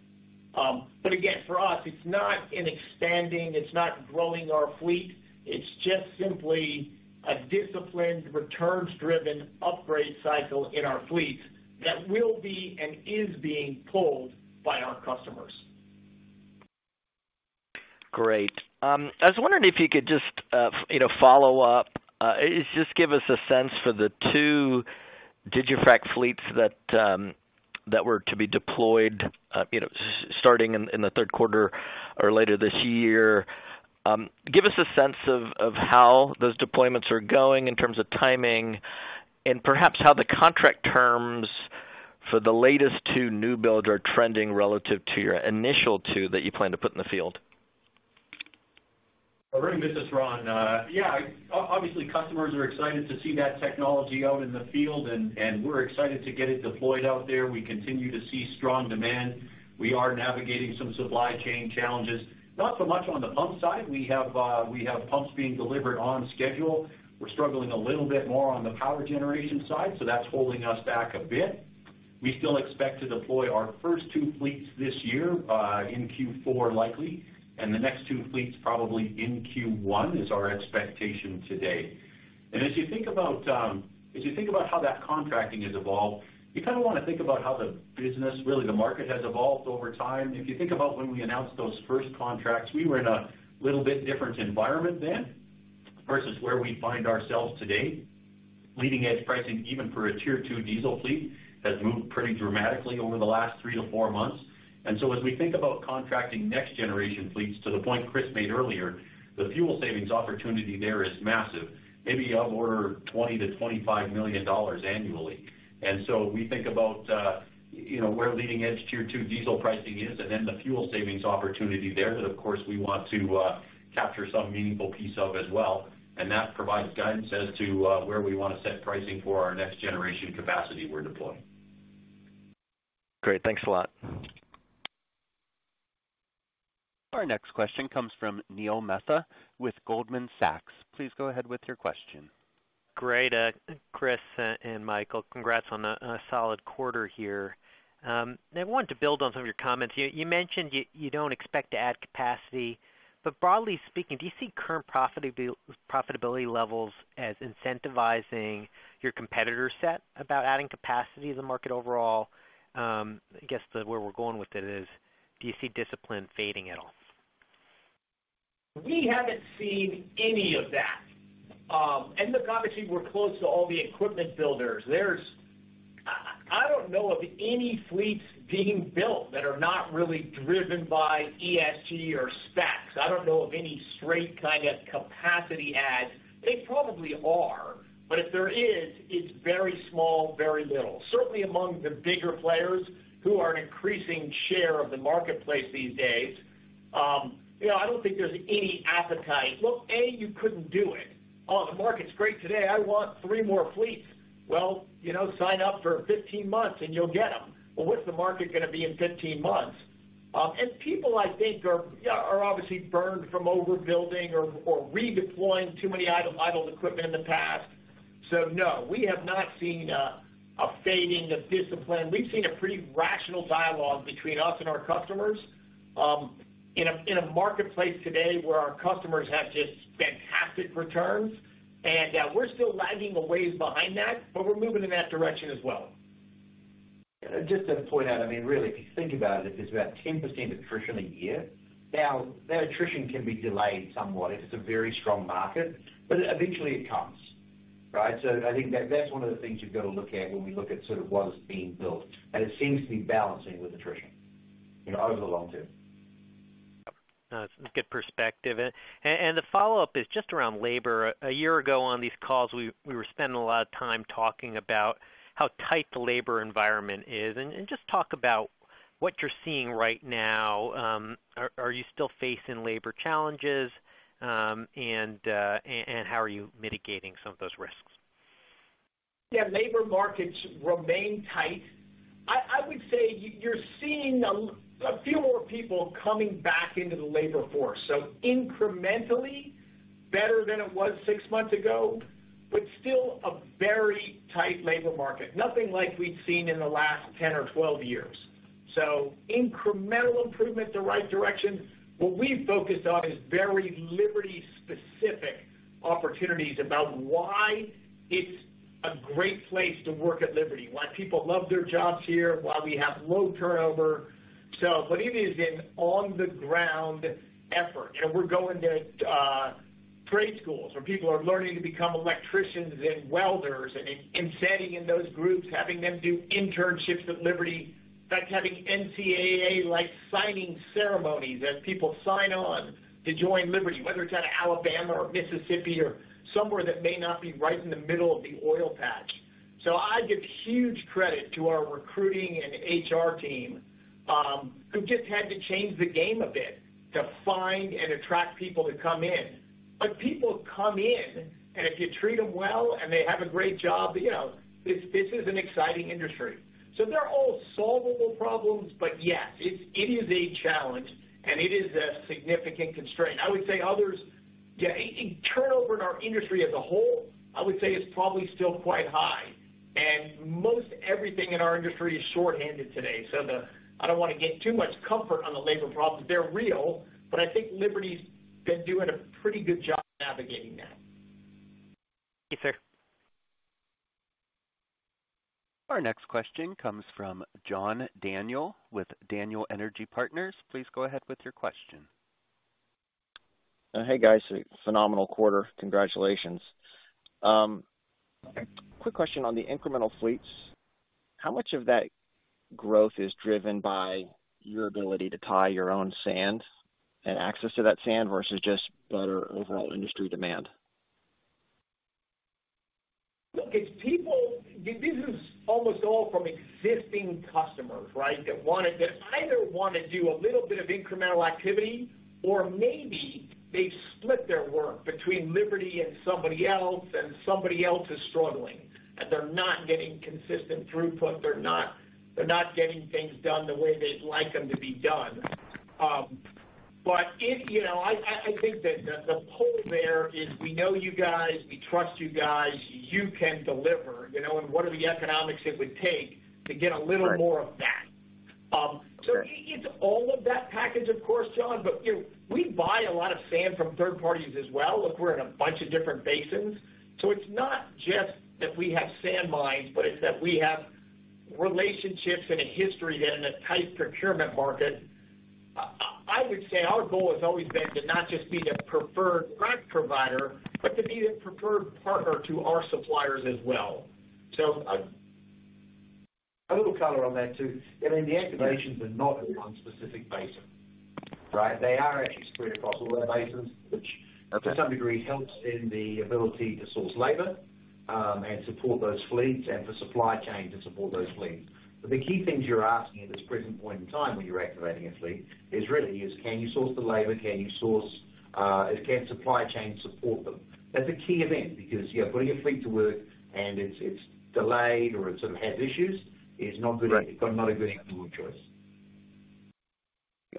C: Again, for us, it's not in expanding, it's not growing our fleet. It's just simply a disciplined, returns-driven upgrade cycle in our fleets that will be and is being pulled by our customers.
G: Great. I was wondering if you could just, you know, follow up. Just give us a sense for the 2 digiFrac fleets that were to be deployed, you know, starting in the 3rd quarter or later this year. Give us a sense of how those deployments are going in terms of timing and perhaps how the contract terms for the latest two new builds are trending relative to your initial two that you plan to put in the field?
H: Arun Jayaram, this is Ron. Obviously, customers are excited to see that technology out in the field, and we're excited to get it deployed out there. We continue to see strong demand. We are navigating some supply chain challenges, not so much on the pump side. We have pumps being delivered on schedule. We're struggling a little bit more on the power generation side, so that's holding us back a bit. We still expect to deploy our first two fleets this year, in Q4 likely, and the next two fleets probably in Q1 is our expectation today. As you think about how that contracting has evolved, you kind of want to think about how the business, really the market has evolved over time. If you think about when we announced those first contracts, we were in a little bit different environment then versus where we find ourselves today. Leading edge pricing, even for a Tier 2 diesel fleet, has moved pretty dramatically over the last 3-4 months. As we think about contracting next generation fleets, to the point Chris made earlier, the fuel savings opportunity there is massive, maybe of order $20-$25 million annually. We think about, you know, where leading edge Tier 2 diesel pricing is and then the fuel savings opportunity there that of course we want to capture some meaningful piece of as well. That provides guidance as to where we want to set pricing for our next generation capacity we're deploying.
G: Great. Thanks a lot.
A: Our next question comes from Neil Mehta with Goldman Sachs. Please go ahead with your question.
I: Great. Chris and Michael, congrats on a solid quarter here. I want to build on some of your comments. You mentioned you don't expect to add capacity, but broadly speaking, do you see current profitability levels as incentivizing your competitor set about adding capacity to the market overall? I guess where we're going with it is, do you see discipline fading at all?
C: We haven't seen any of that. Look, obviously, we're close to all the equipment builders. I don't know of any fleets being built that are not really driven by ESG or specs. I don't know of any straight kind of capacity adds. They probably are, but if there is, it's very small, very little. Certainly among the bigger players who are an increasing share of the marketplace these days, you know, I don't think there's any appetite. Look, A, you couldn't do it. Oh, the market's great today, I want 3 more fleets. Well, you know, sign up for 15 months and you'll get them. Well, what's the market going to be in 15 months? People, I think, are, you know, obviously burned from overbuilding or redeploying too many idle equipment in the past. No, we have not seen a fading of discipline. We've seen a pretty rational dialogue between us and our customers, in a marketplace today where our customers have just fantastic returns. We're still lagging a raised behind that, but we're moving in that direction as well.
D: Just to point out, I mean, really, if you think about it, there's about 10% attrition a year. Now, that attrition can be delayed somewhat if it's a very strong market, but eventually it comes, right? So I think that's one of the things you've got to look at when we look at sort of what is being built. It seems to be balancing with attrition, you know, over the long term.
I: That's a good perspective. The follow-up is just around labor. A year ago on these calls, we were spending a lot of time talking about how tight the labor environment is, and just talk about what you're seeing right now. Are you still facing labor challenges? How are you mitigating some of those risks?
C: Yeah, labor markets remain tight. I would say you're seeing a few more people coming back into the labor force, so incrementally better than it was 6 months ago, but still a very tight labor market. Nothing like we'd seen in the last 10 or 12 years. Incremental improvement the right direction. What we've focused on is very Liberty specific opportunities about why it's a great place to work at Liberty, why people love their jobs here, why we have low turnover. But it is an on the ground effort, and we're going to trade schools where people are learning to become electricians and welders and standing in those groups, having them do internships at Liberty. In fact, having NCAA like signing ceremonies as people sign on to join Liberty, whether it's out of Alabama or Mississippi or somewhere that may not be right in the middle of the oil patch. I give huge credit to our recruiting and HR team, who just had to change the game a bit to find and attract people to come in. People come in, and if you treat them well and they have a great job, you know, this is an exciting industry. They're all solvable problems, but yes, it is a challenge and it is a significant constraint. I would say others, yeah, and turnover in our industry as a whole, I would say, is probably still quite high. Most everything in our industry is shorthanded today. I don't want to get too much comfort on the labor problems. They're real, but I think Liberty's been doing a pretty good job navigating that.
I: Thank you, sir.
A: Our next question comes from John Daniel with Daniel Energy Partners. Please go ahead with your question.
J: Hey, guys. Phenomenal quarter. Congratulations. Quick question on the incremental fleets. How much of that growth is driven by your ability to tie your own sand and access to that sand versus just better overall industry demand?
C: Look, it's people. This is almost all from existing customers, right? That either want to do a little bit of incremental activity or maybe they've split their work between Liberty and somebody else, and somebody else is struggling, and they're not getting consistent throughput. They're not getting things done the way they'd like them to be done. If, you know, I think that the pull there is we know you guys, we trust you guys, you can deliver, you know, and what are the economics it would take to get a little more of that? It's all of that package, of course, John, but you, we buy a lot of sand from third parties as well. Look, we're in a bunch of different basins, so it's not just that we have sand mines, but it's that we have relationships and a history that in a tight procurement market. I would say our goal has always been to not just be the preferred frac provider, but to be the preferred partner to our suppliers as well. So.
D: A little color on that too. I mean, the activations are not in one specific basin, right? They are actually spread across all our basins, which to some degree helps in the ability to source labor, and support those fleets and for supply chain to support those fleets. The key things you're asking at this present point in time when you're activating a fleet is really, can you source the labor? Can supply chain support them? That's a key event because you're putting a fleet to work and it's delayed or it sort of has issues, is not good.
C: Right.
D: It's not a good economic choice.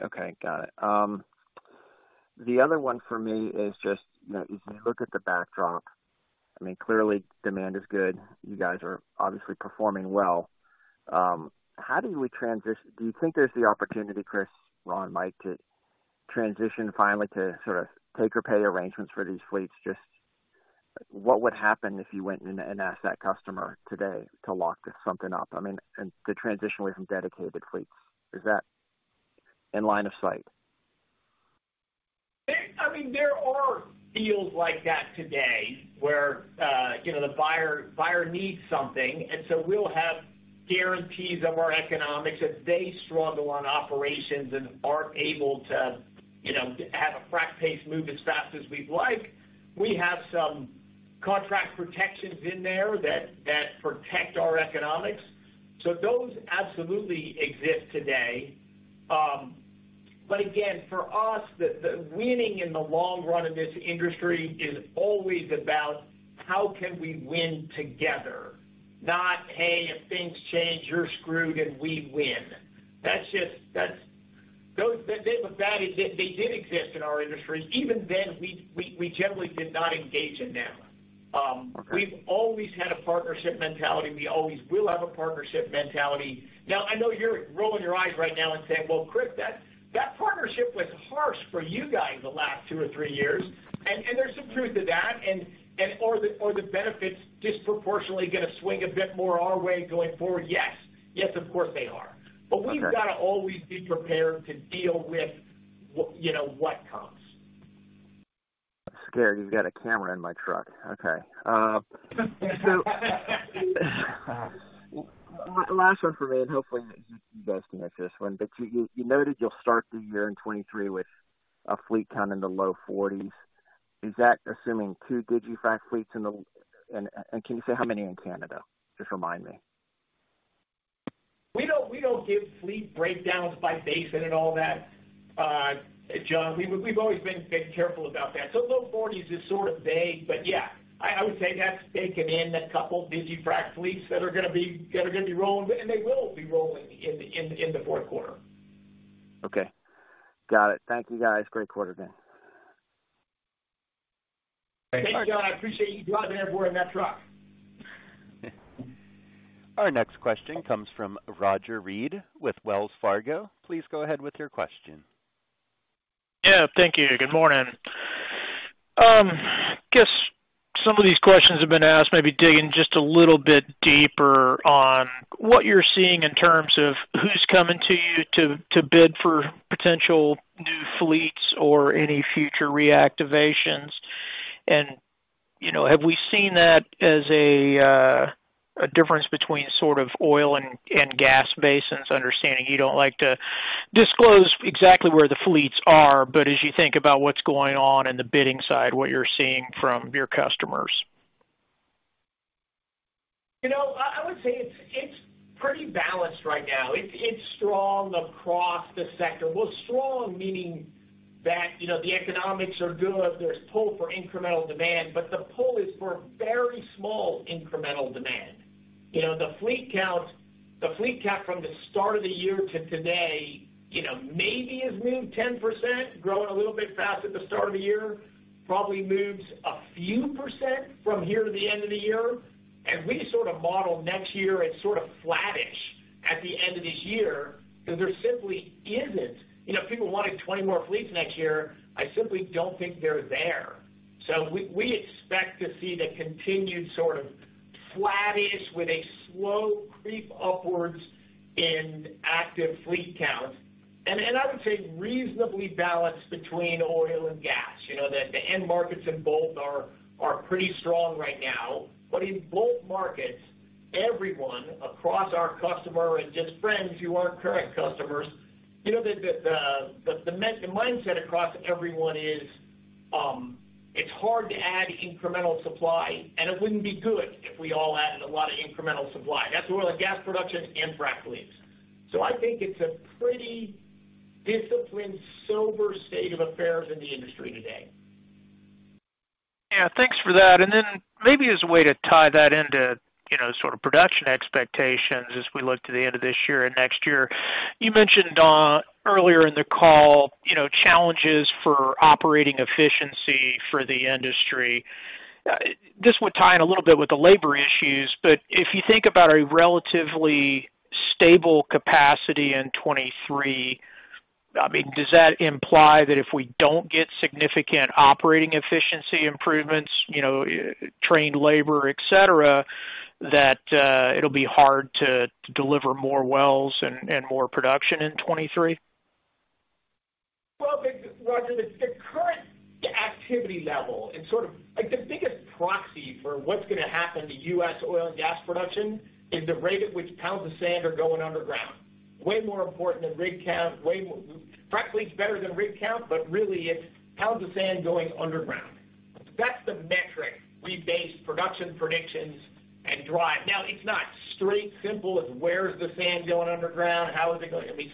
J: Okay. Got it. The other one for me is just, you know, if you look at the backdrop, I mean, clearly demand is good. You guys are obviously performing well. Do you think there's the opportunity, Chris, Ron, Mike, to transition finally to sort of take or pay arrangements for these fleets? Just what would happen if you went and asked that customer today to lock something up? I mean, and the transition away from dedicated fleets, is that in line of sight?
C: I mean, there are deals like that today where you know, the buyer needs something, and so we'll have guarantees of our economics. If they struggle on operations and aren't able to you know, have a frac pace move as fast as we'd like, we have some contract protections in there that protect our economics. Those absolutely exist today. Again, for us, the winning in the long run in this industry is always about how can we win together, not "Hey, if things change, you're screwed, and we win." That's just that. With that, they did exist in our industry. Even then, we generally did not engage in them. We've always had a partnership mentality. We always will have a partnership mentality. Now, I know you're rolling your eyes right now and saying, "Well, Chris, that partnership was harsh for you guys the last 2 or 3 years." There's some truth to that. Are the benefits disproportionately gonna swing a bit more our way going forward? Yes. Yes, of course they are.
J: Okay.
C: We've got to always be prepared to deal with, you know, what comes.
J: Scared you've got a camera in my truck. Okay. Last one for me, and hopefully you guys can answer this one. You noted you'll start the year in 2023 with a fleet count in the low 40s. Is that assuming 2 digiFrac fleets, and can you say how many in Canada? Just remind me.
C: We don't give fleet breakdowns by basin and all that, John. We've always been careful about that. Low 40s is sort of vague, but yeah, I would say that's taken in a couple digiFrac fleets that are gonna be rolling, and they will be rolling in the fourth quarter.
J: Okay. Got it. Thank you, guys. Great quarter then.
C: Thank you, John. I appreciate you driving everywhere in that truck.
A: Our next question comes from Roger Read with Wells Fargo. Please go ahead with your question.
K: Yeah, thank you. Good morning. Guess some of these questions have been asked, maybe digging just a little bit deeper on what you're seeing in terms of who's coming to you to bid for potential new fleets or any future reactivations. You know, have we seen that as a difference between sort of oil and gas basins? Understanding you don't like to disclose exactly where the fleets are, but as you think about what's going on in the bidding side, what you're seeing from your customers?
C: You know, I would say it's pretty balanced right now. It's strong across the sector. Well, strong, meaning that, you know, the economics are good. There's pull for incremental demand, but the pull is for very small incremental demand. You know, the fleet count from the start of the year to today, you know, maybe has moved 10%, growing a little bit fast at the start of the year, probably moves a few percent from here to the end of the year. We sort of model next year as sort of flattish at the end of this year, because there simply isn't. You know, if people wanted 20 more fleets next year, I simply don't think they're there. We expect to see the continued sort of flattish with a slow creep upwards in active fleet counts and I would say reasonably balanced between oil and gas. You know, the end markets in both are pretty strong right now. But in both markets, everyone across our customers and just friends who aren't current customers, you know, the mindset across everyone is, it's hard to add incremental supply, and it wouldn't be good if we all added a lot of incremental supply. That's oil and gas production and frac fleets. I think it's a pretty disciplined, sober state of affairs in the industry today.
K: Yeah, thanks for that. Then maybe as a way to tie that into, you know, sort of production expectations as we look to the end of this year and next year. You mentioned earlier in the call, you know, challenges for operating efficiency for the industry. This would tie in a little bit with the labor issues, but if you think about a relatively stable capacity in 2023, I mean, does that imply that if we don't get significant operating efficiency improvements, you know, trained labor, et cetera, that it'll be hard to deliver more wells and more production in 2023?
C: Well, Roger, the current activity level and sort of like the biggest proxy for what's gonna happen to U.S. oil and gas production is the rate at which pounds of sand are going underground. Way more important than rig count. Practically, it's better than rig count, but really it's pounds of sand going underground. That's the metric we base production predictions and drive. Now, it's not straight simple. It's where's the sand going underground? How is it going? I mean,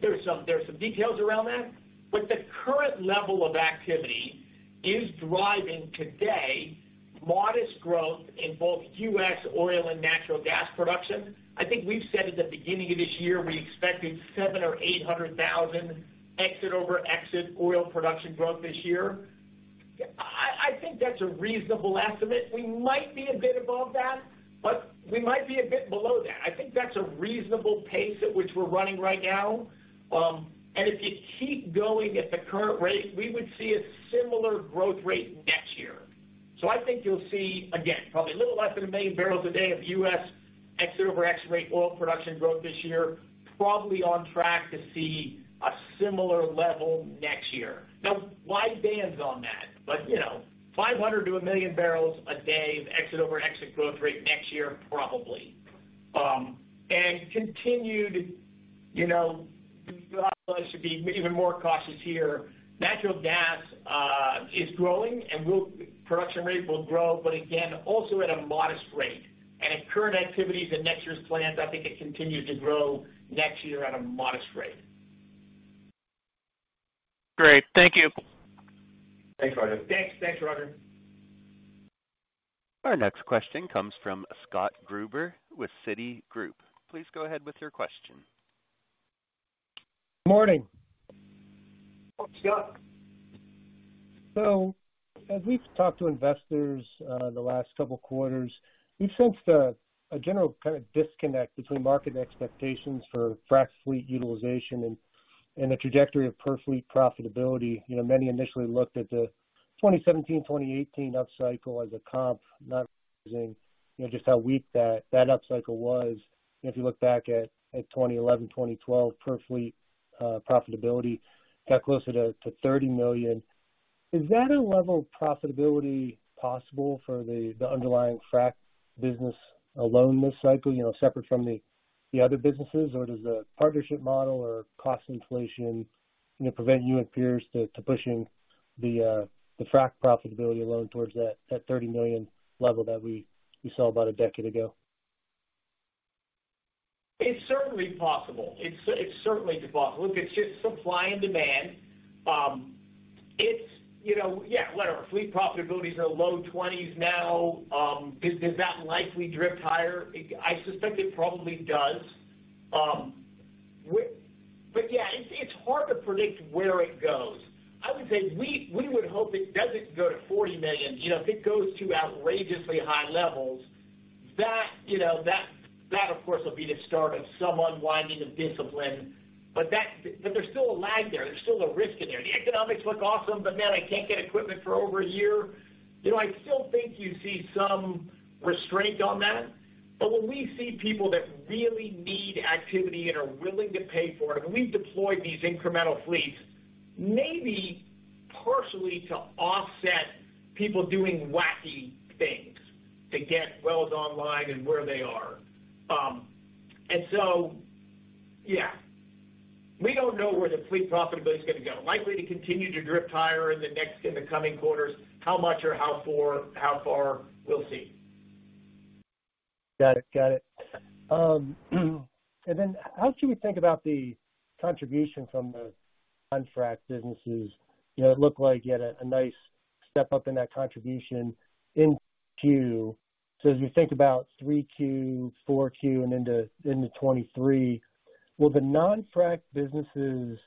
C: there's some details around that. The current level of activity is driving today modest growth in both U.S. oil and natural gas production. I think we've said at the beginning of this year, we expected 700,000-800,000 exit-over-exit oil production growth this year. I think that's a reasonable estimate. We might be a bit above that, but we might be a bit below that. I think that's a reasonable pace at which we're running right now. If you keep going at the current rate, we would see a similar growth rate next year. I think you'll see, again, probably a little less than 1 million barrels a day of U.S. exit over exit rate oil production growth this year, probably on track to see a similar level next year. Now, wide bands on that, but you know, 500 to 1 million barrels a day of exit over exit growth rate next year, probably. Continued, you know, should be more cautious here. Natural gas is growing and will production rate will grow, but again, also at modest rate. And current activities and next year's plan that they could continue to grow next year at a modest rate.
K: Great. Thank you.
C: Thanks Roger.
D: Thanks Roger.
A: Our next question comes from Scott Gruber with Citigroup. Please go ahead with your question.
L: Morning.
C: What's up?
L: So as we've talked investors on the last couple quarters, we've sense a general kind of disconnect between market expectations for frac fleet utilization and the trajectory of per fleet profitability. You know many initially looked at the 2017, 2018 upcycle as a comp not using, just how weak that upcycle was. If you look back at 2011, 2012 per fleet profitability got closer to 30 million. Is that a level profitability possible for the underlying fact business alone, most likely, separate from the other businesses or does the partnership model or cost inflation may prevent appears to pushing the track profitability alone towards that at 30 million level that we saw about a decade ago?
C: It is a certainly possible. It's certainly to fall. Look, it's just supply and demand. It's whatever fleet profitability is a low 20s now this that likely drift higher. I suspect it probably does. But, it's hard to predict where it goes. I would say we would hope it doesn't go to 40 million. If it goes to outrageously high levels that, of course, will be the start of some unwinding and discipline. But that, but there's still a lag there. There's still a risk in there. The economics look awesome, I can't get equipment for over a year. I still think some restraint on that. But when we see people that really need activity and are willing to pay for it, we've deployed these incremental fleets, maybe partially to offset people doing wacky things to get wells online and where they are. And we don't know where the fleet profitability is going to go. Likely to continue to drift higher in the next, in the coming quarters. How much or how far we'll see.
L: Got it. How should we think about the contribution from the non-frac businesses? You know, it looked like you had a nice step up in that contribution in 2Q. As we think about 3Q, 4Q and into 2023, will the non-frac businesses, you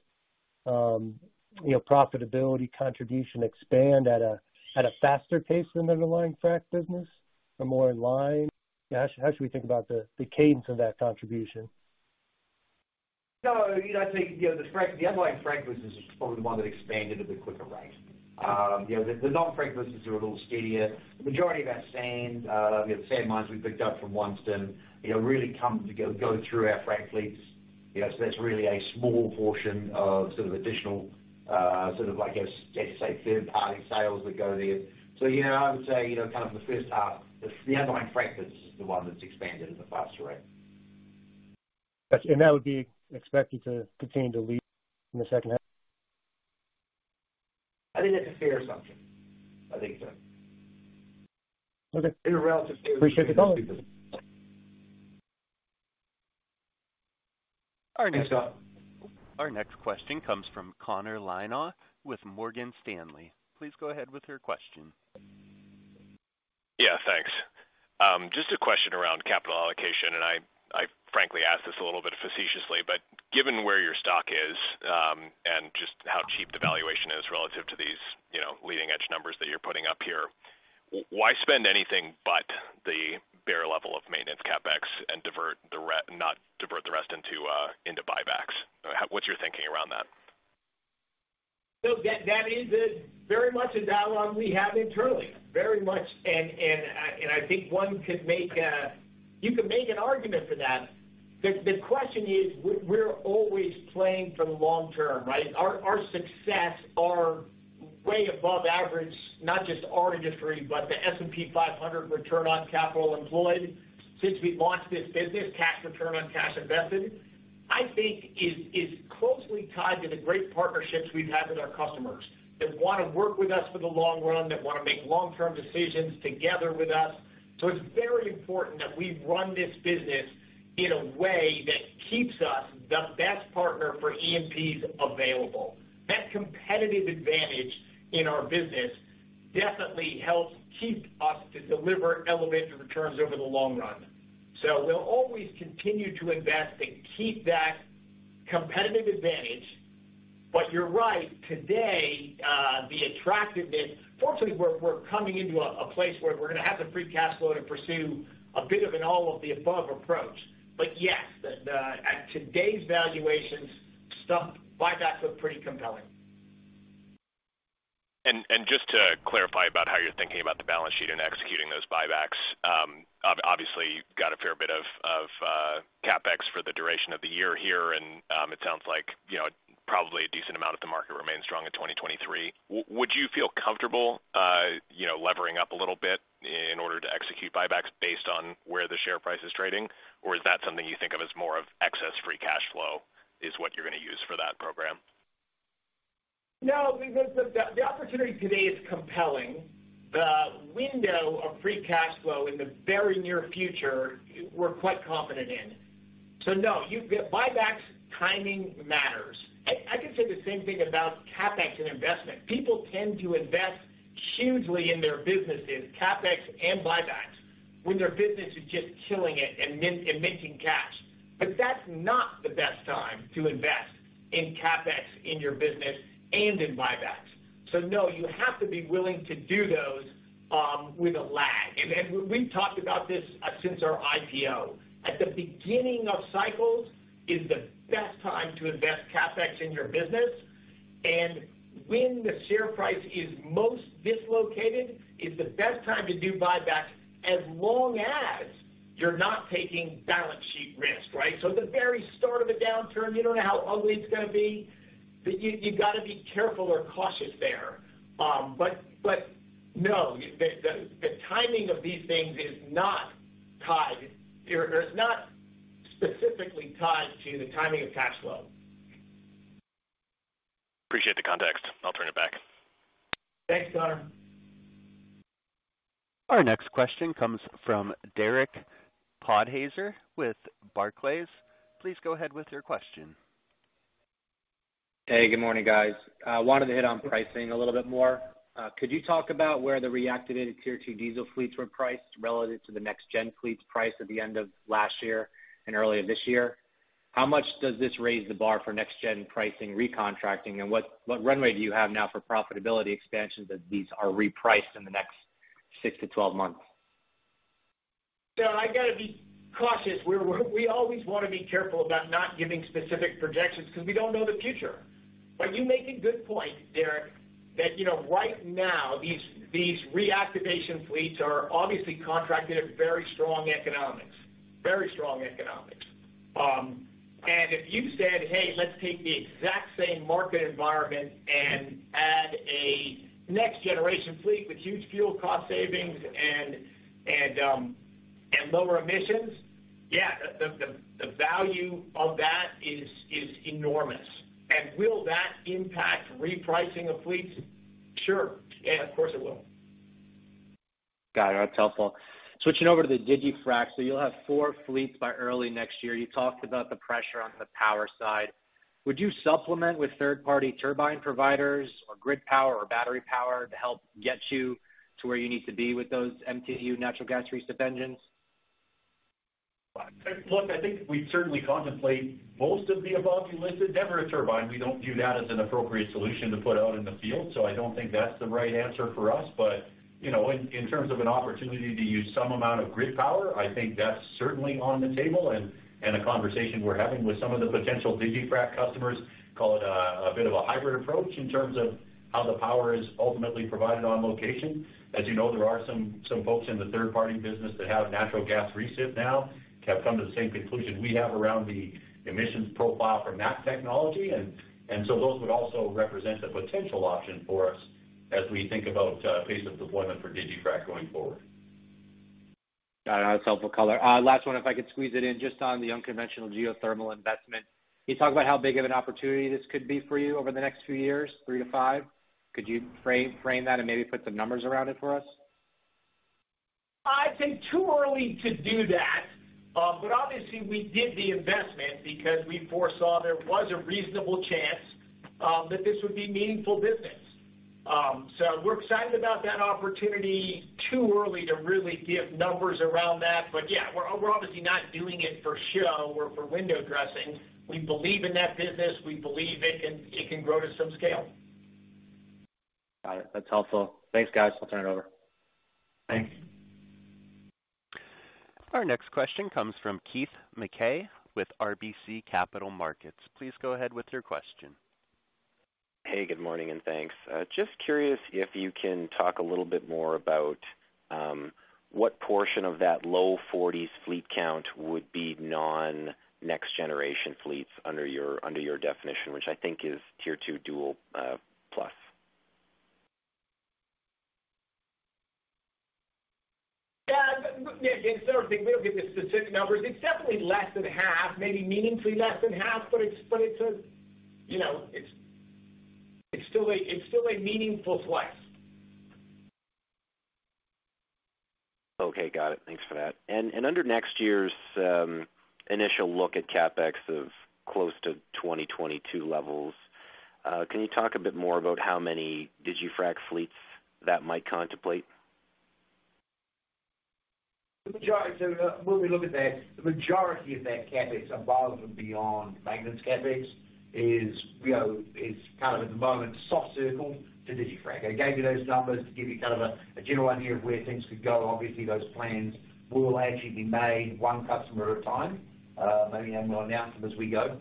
L: know, profitability contribution expand at a faster pace than the underlying frac business or more in line? How should we think about the cadence of that contribution?
C: No, you know, I think, you know, the frac, the underlying frac business is probably the one that expanded at the quicker rate. You know, the non-frac businesses are a little steadier. The majority of our sand, you know, sand mines we picked up from OneStim, you know, really come to go through our frac fleets, you know. That's really a small portion of sort of additional, sort of, I guess, let's say third-party sales that go there. You know, I would say, you know, kind of the first half, the underlying frac is the one that's expanded at a faster rate.
L: Got you. That would be expected to continue to lead in the second half?
C: I think that's a fair assumption. I think so.
L: Okay. In a relative sense. Appreciate the color.
A: Our next question comes from Conor Lynagh with Morgan Stanley. Please go ahead with your question.
M: Yeah, thanks. Just a question around capital allocation, and I frankly ask this a little bit facetiously, but given where your stock is, and just how cheap the valuation is relative to these, you know, leading edge numbers that you're putting up here, why spend anything but the bare level of maintenance CapEx and divert the rest into buybacks? What's your thinking around that?
C: That is very much a dialogue we have internally, very much. I think you can make an argument for that. The question is, we're always playing for the long term, right? Our success are way above average, not just our industry, but the S&P 500 Return on Capital Employed since we've launched this business, cash return on cash invested, I think is closely tied to the great partnerships we've had with our customers that wanna work with us for the long run, that wanna make long-term decisions together with us. It's very important that we run this business in a way that keeps us the best partner for E&Ps available. That competitive advantage in our business definitely helps keep us to deliver elevated returns over the long run. We'll always continue to invest to keep that competitive advantage. You're right. Today, the attractiveness. Fortunately, we're coming into a place where we're gonna have the free cash flow to pursue a bit of an all of the above approach. Yes, the at today's valuations, some buybacks look pretty compelling.
M: Just to clarify about how you're thinking about the balance sheet and executing those buybacks, obviously, you've got a fair bit of CapEx for the duration of the year here, and it sounds like, you know, probably a decent amount of the market remains strong in 2023. Would you feel comfortable, you know, levering up a little bit in order to execute buybacks based on where the share price is trading? Or is that something you think of as more of excess free cash flow is what you're gonna use for that program?
C: No, because the opportunity today is compelling. The window of free cash flow in the very near future, we're quite confident in. Buybacks timing matters. I could say the same thing about CapEx and investment. People tend to invest hugely in their businesses, CapEx and buybacks, when their business is just killing it and minting cash. That's not the best time to invest in CapEx in your business and in buybacks. You have to be willing to do those with a lag. We've talked about this since our IPO. At the beginning of cycles is the best time to invest CapEx in your business. When the share price is most dislocated is the best time to do buybacks, as long as you're not taking balance sheet risk, right? At the very start of a downturn, you don't know how ugly it's gonna be. You gotta be careful or cautious there. No, the timing of these things is not tied. It's not specifically tied to the timing of cash flow.
M: Appreciate the context. I'll turn it back.
C: Thanks Connor.
A: Our next question comes from Derek Podhaizer with Barclays. Please go ahead with your question.
N: Hey, good morning, guys. I wanted to hit on pricing a little bit more. Could you talk about where the reactivated Tier 2 diesel fleets were priced relative to the next-gen fleets priced at the end of last year and earlier this year? How much does this raise the bar for next-gen pricing recontracting, and what runway do you have now for profitability expansions as these are repriced in the next 6-12 months?
C: I gotta be cautious. We always wanna be careful about not giving specific projections because we don't know the future. You make a good point, Derek, that, you know, right now, these reactivation fleets are obviously contracted at very strong economics. If you said, "Hey, let's take the exact same market environment and add a next generation fleet with huge fuel cost savings and lower emissions," yeah, the value of that is enormous. Will that impact repricing of fleets? Sure. Yeah, of course it will.
N: Got it. That's helpful. Switching over to the digiFrac, so you'll have four fleets by early next year. You talked about the pressure on the power side. Would you supplement with third-party turbine providers or grid power or battery power to help get you to where you need to be with those MTU natural gas reciprocating engines?
H: Look, I think we certainly contemplate most of the above you listed. Never a turbine. We don't view that as an appropriate solution to put out in the field, so I don't think that's the right answer for us. You know, in terms of an opportunity to use some amount of grid power, I think that's certainly on the table and a conversation we're having with some of the potential digiFrac customers, call it a bit of a hybrid approach in terms of how the power is ultimately provided on location. As you know, there are some folks in the third-party business that have natural gas recip now, have come to the same conclusion we have around the emissions profile from that technology. Those would also represent a potential option for us as we think about pace of deployment for digiFrac going forward.
N: Got it. That's helpful color. Last one, if I could squeeze it in, just on the unconventional geothermal investment. Can you talk about how big of an opportunity this could be for you over the next few years, 3-5? Could you frame that and maybe put some numbers around it for us?
C: I think too early to do that. Obviously we did the investment because we foresaw there was a reasonable chance that this would be meaningful business. We're excited about that opportunity. Too early to really give numbers around that. Yeah, we're obviously not doing it for show or for window dressing. We believe in that business. We believe it can grow to some scale.
N: Got it. That's helpful. Thanks, guys. I'll turn it over.
C: Thanks.
A: Our next question comes from Keith Mackey with RBC Capital Markets. Please go ahead with your question.
O: Hey, good morning, and thanks. Just curious if you can talk a little bit more about what portion of that low-40s fleet count would be non-next generation fleets under your definition, which I think is Tier 2 dual plus.
C: Yeah, yeah, instead of giving the specific numbers, it's definitely less than half, maybe meaningfully less than half. It's a, you know, it's still a meaningful slice.
O: Okay, got it. Thanks for that. Under next year's initial look at CapEx of close to 2022 levels, can you talk a bit more about how many digiFrac fleets that might contemplate?
D: When we look at that, the majority of that CapEx above and beyond maintenance CapEx is, you know, kind of at the moment soft circled to digiFrac. I gave you those numbers to give you kind of a general idea of where things could go. Obviously, those plans will actually be made one customer at a time. Maybe then we'll announce them as we go.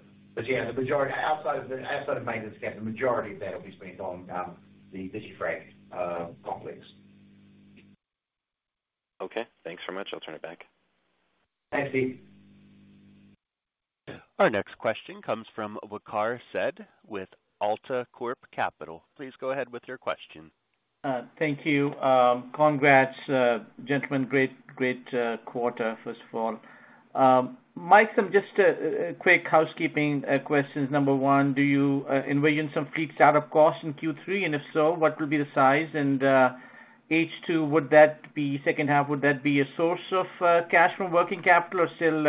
D: Yeah, outside of maintenance Cap, the majority of that will be spent on the digiFrac complex.
O: Okay, thanks very much. I'll turn it back.
C: Thanks, Keith.
A: Our next question comes from Waqar Syed with AltaCorp Capital. Please go ahead with your question.
P: Thank you. Congrats, gentlemen, great quarter, first of all. Mike, some just quick housekeeping questions. Number one, do you envision some fleet startup costs in Q3, and if so, what will be the size? H2, second half, would that be a source of cash from working capital or still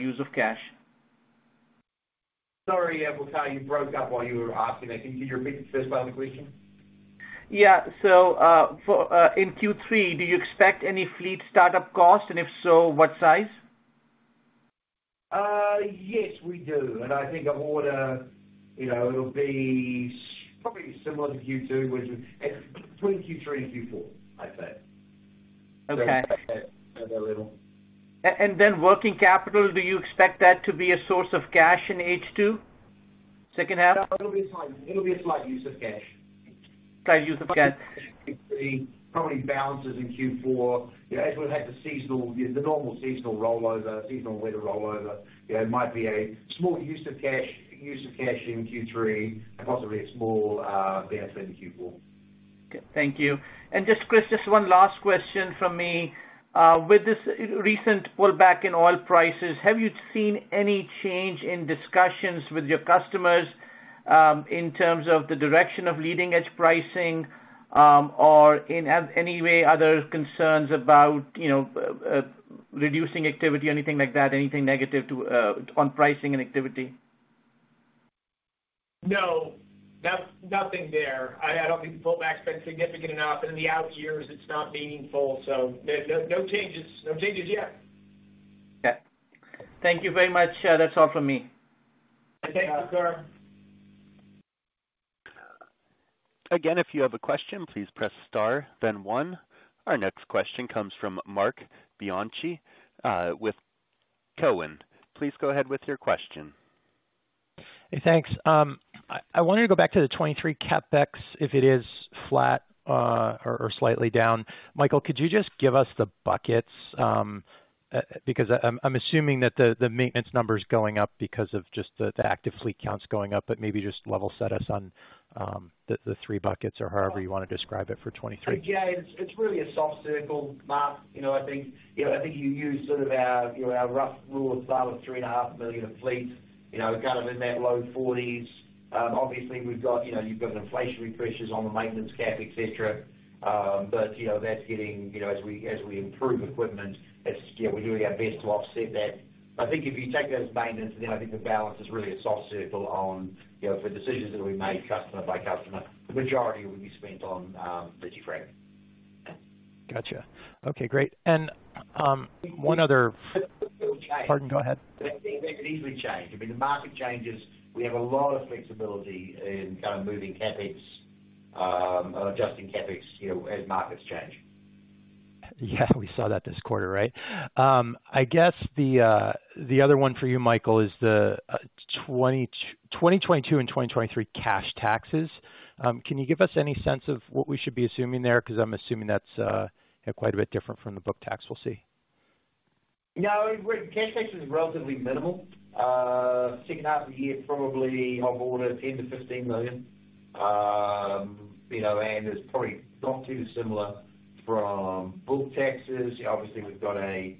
P: use of cash?
D: Sorry, Waqar, you broke up while you were asking. I didn't hear. Could you specify the question?
P: In Q3, do you expect any fleet startup costs? If so, what size?
D: Yes, we do. I think of all the, you know, it'll be probably similar to Q2, which is between Q3 and Q4, I'd say.
P: Okay.
D: At that level.
P: Working capital, do you expect that to be a source of cash in H2, second half?
D: It'll be a slight use of cash.
P: Slight use of cash.
D: It probably balances in Q4. You know, as we'll have the seasonal, you know, the normal seasonal rollover, seasonal weather rollover. You know, it might be a small use of cash in Q3, and possibly a small balance into Q4.
P: Okay. Thank you. Just Chris, just one last question from me. With this recent pullback in oil prices, have you seen any change in discussions with your customers, in terms of the direction of leading-edge pricing, or in any way other concerns about, you know, reducing activity or anything like that? Anything negative to on pricing and activity?
C: No, nothing there. I don't think the pullback's been significant enough. In the out years, it's not meaningful. No changes. No changes yet.
P: Okay. Thank you very much. That's all for me.
C: Thank you, Waqar.
A: Again, if you have a question, please press star then one. Our next question comes from Marc Bianchi with Cowen. Please go ahead with your question.
Q: Hey, thanks. I wanted to go back to the 2023 CapEx if it is flat, or slightly down. Michael, could you just give us the buckets? I'm assuming that the maintenance number is going up because of just the active fleet counts going up, but maybe just level set us on the three buckets or however you want to describe it for 2023.
D: Yeah. It's really a soft circle, Mark. You know, I think you use sort of our rough rule of thumb of $3.5 million of fleet, you know, kind of in the low 40s. Obviously we've got, you know, you've got inflationary pressures on the maintenance CapEx, etc. You know, that's getting, you know, as we improve equipment, it's, you know, we're doing our best to offset that. I think if you take those maintenance, then I think the balance is really a soft circle on, you know, for decisions that we made customer by customer, the majority will be spent on digiFrac.
Q: Gotcha. Okay, great. One other.
D: It could change.
Q: Pardon? Go ahead.
D: It could easily change. I mean, the market changes. We have a lot of flexibility in kind of moving CapEx, or adjusting CapEx, you know, as markets change.
Q: Yeah, we saw that this quarter, right? I guess the other one for you, Michael, is the 2022 and 2023 cash taxes. Can you give us any sense of what we should be assuming there? Because I'm assuming that's quite a bit different from the book tax we'll see.
D: No, cash tax is relatively minimal. Second half of the year, probably on the order of $10 million-$15 million. You know, it's probably not too dissimilar from book taxes. Obviously, we've got a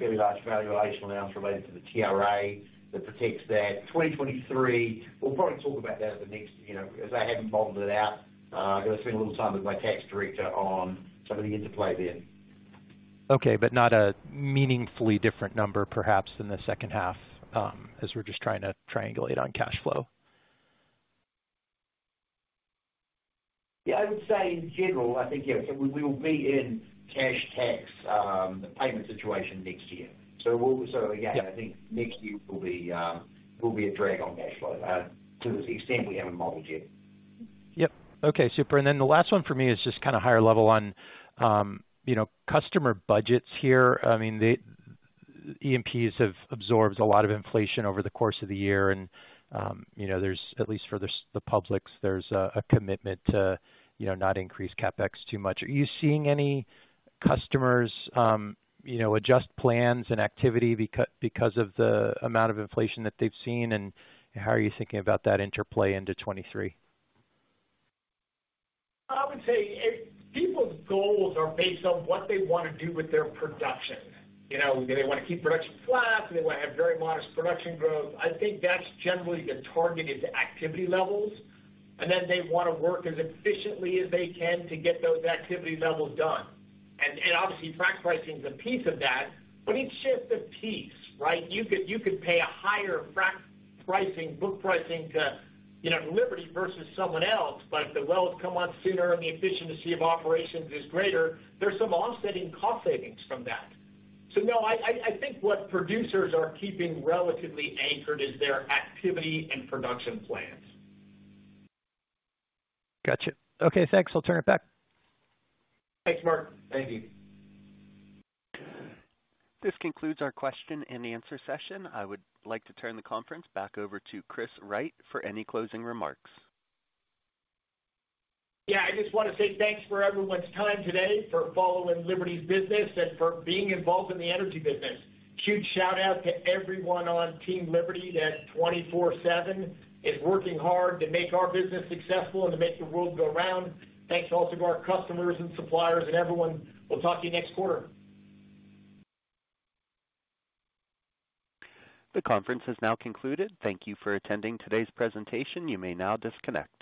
D: Fairly large valuation allowance related to the TRA that protects that. 2023, we'll probably talk about that at the next, you know, as I haven't modeled it out, I'm gonna spend a little time with my tax director on some of the interplay there.
Q: Okay. Not a meaningfully different number, perhaps in the second half, as we're just trying to triangulate on cash flow.
D: Yeah, I would say in general, I think, yeah, we will be in cash tax payment situation next year. Again, I think next year will be a drag on cash flow to the extent we haven't modeled yet.
Q: Yep. Okay, super. The last one for me is just kinda higher level on, you know, customer budgets here. I mean, the E&Ps have absorbed a lot of inflation over the course of the year and, you know, there's at least for the publics, there's a commitment to, you know, not increase CapEx too much. Are you seeing any customers, you know, adjust plans and activity because of the amount of inflation that they've seen? How are you thinking about that interplay into 2023?
C: I would say people's goals are based on what they wanna do with their production. You know, do they wanna keep production flat? Do they wanna have very modest production growth? I think that's generally the target is activity levels, and then they wanna work as efficiently as they can to get those activity levels done. Obviously, frac pricing is a piece of that, but it's just a piece, right? You could pay a higher frac pricing, book pricing to, you know, Liberty versus someone else. But if the wells come on sooner and the efficiency of operations is greater, there's some offsetting cost savings from that. No, I think what producers are keeping relatively anchored is their activity and production plans.
Q: Gotcha. Okay, thanks. I'll turn it back.
C: Thanks, Marc. Thank you.
A: This concludes our question and answer session. I would like to turn the conference back over to Chris Wright for any closing remarks.
C: Yeah, I just wanna say thanks for everyone's time today, for following Liberty's business and for being involved in the energy business. Huge shout out to everyone on Team Liberty that 24/7 is working hard to make our business successful and to make the world go round. Thanks also to our customers and suppliers and everyone. We'll talk to you next quarter.
A: The conference is now concluded. Thank you for attending today's presentation. You may now disconnect.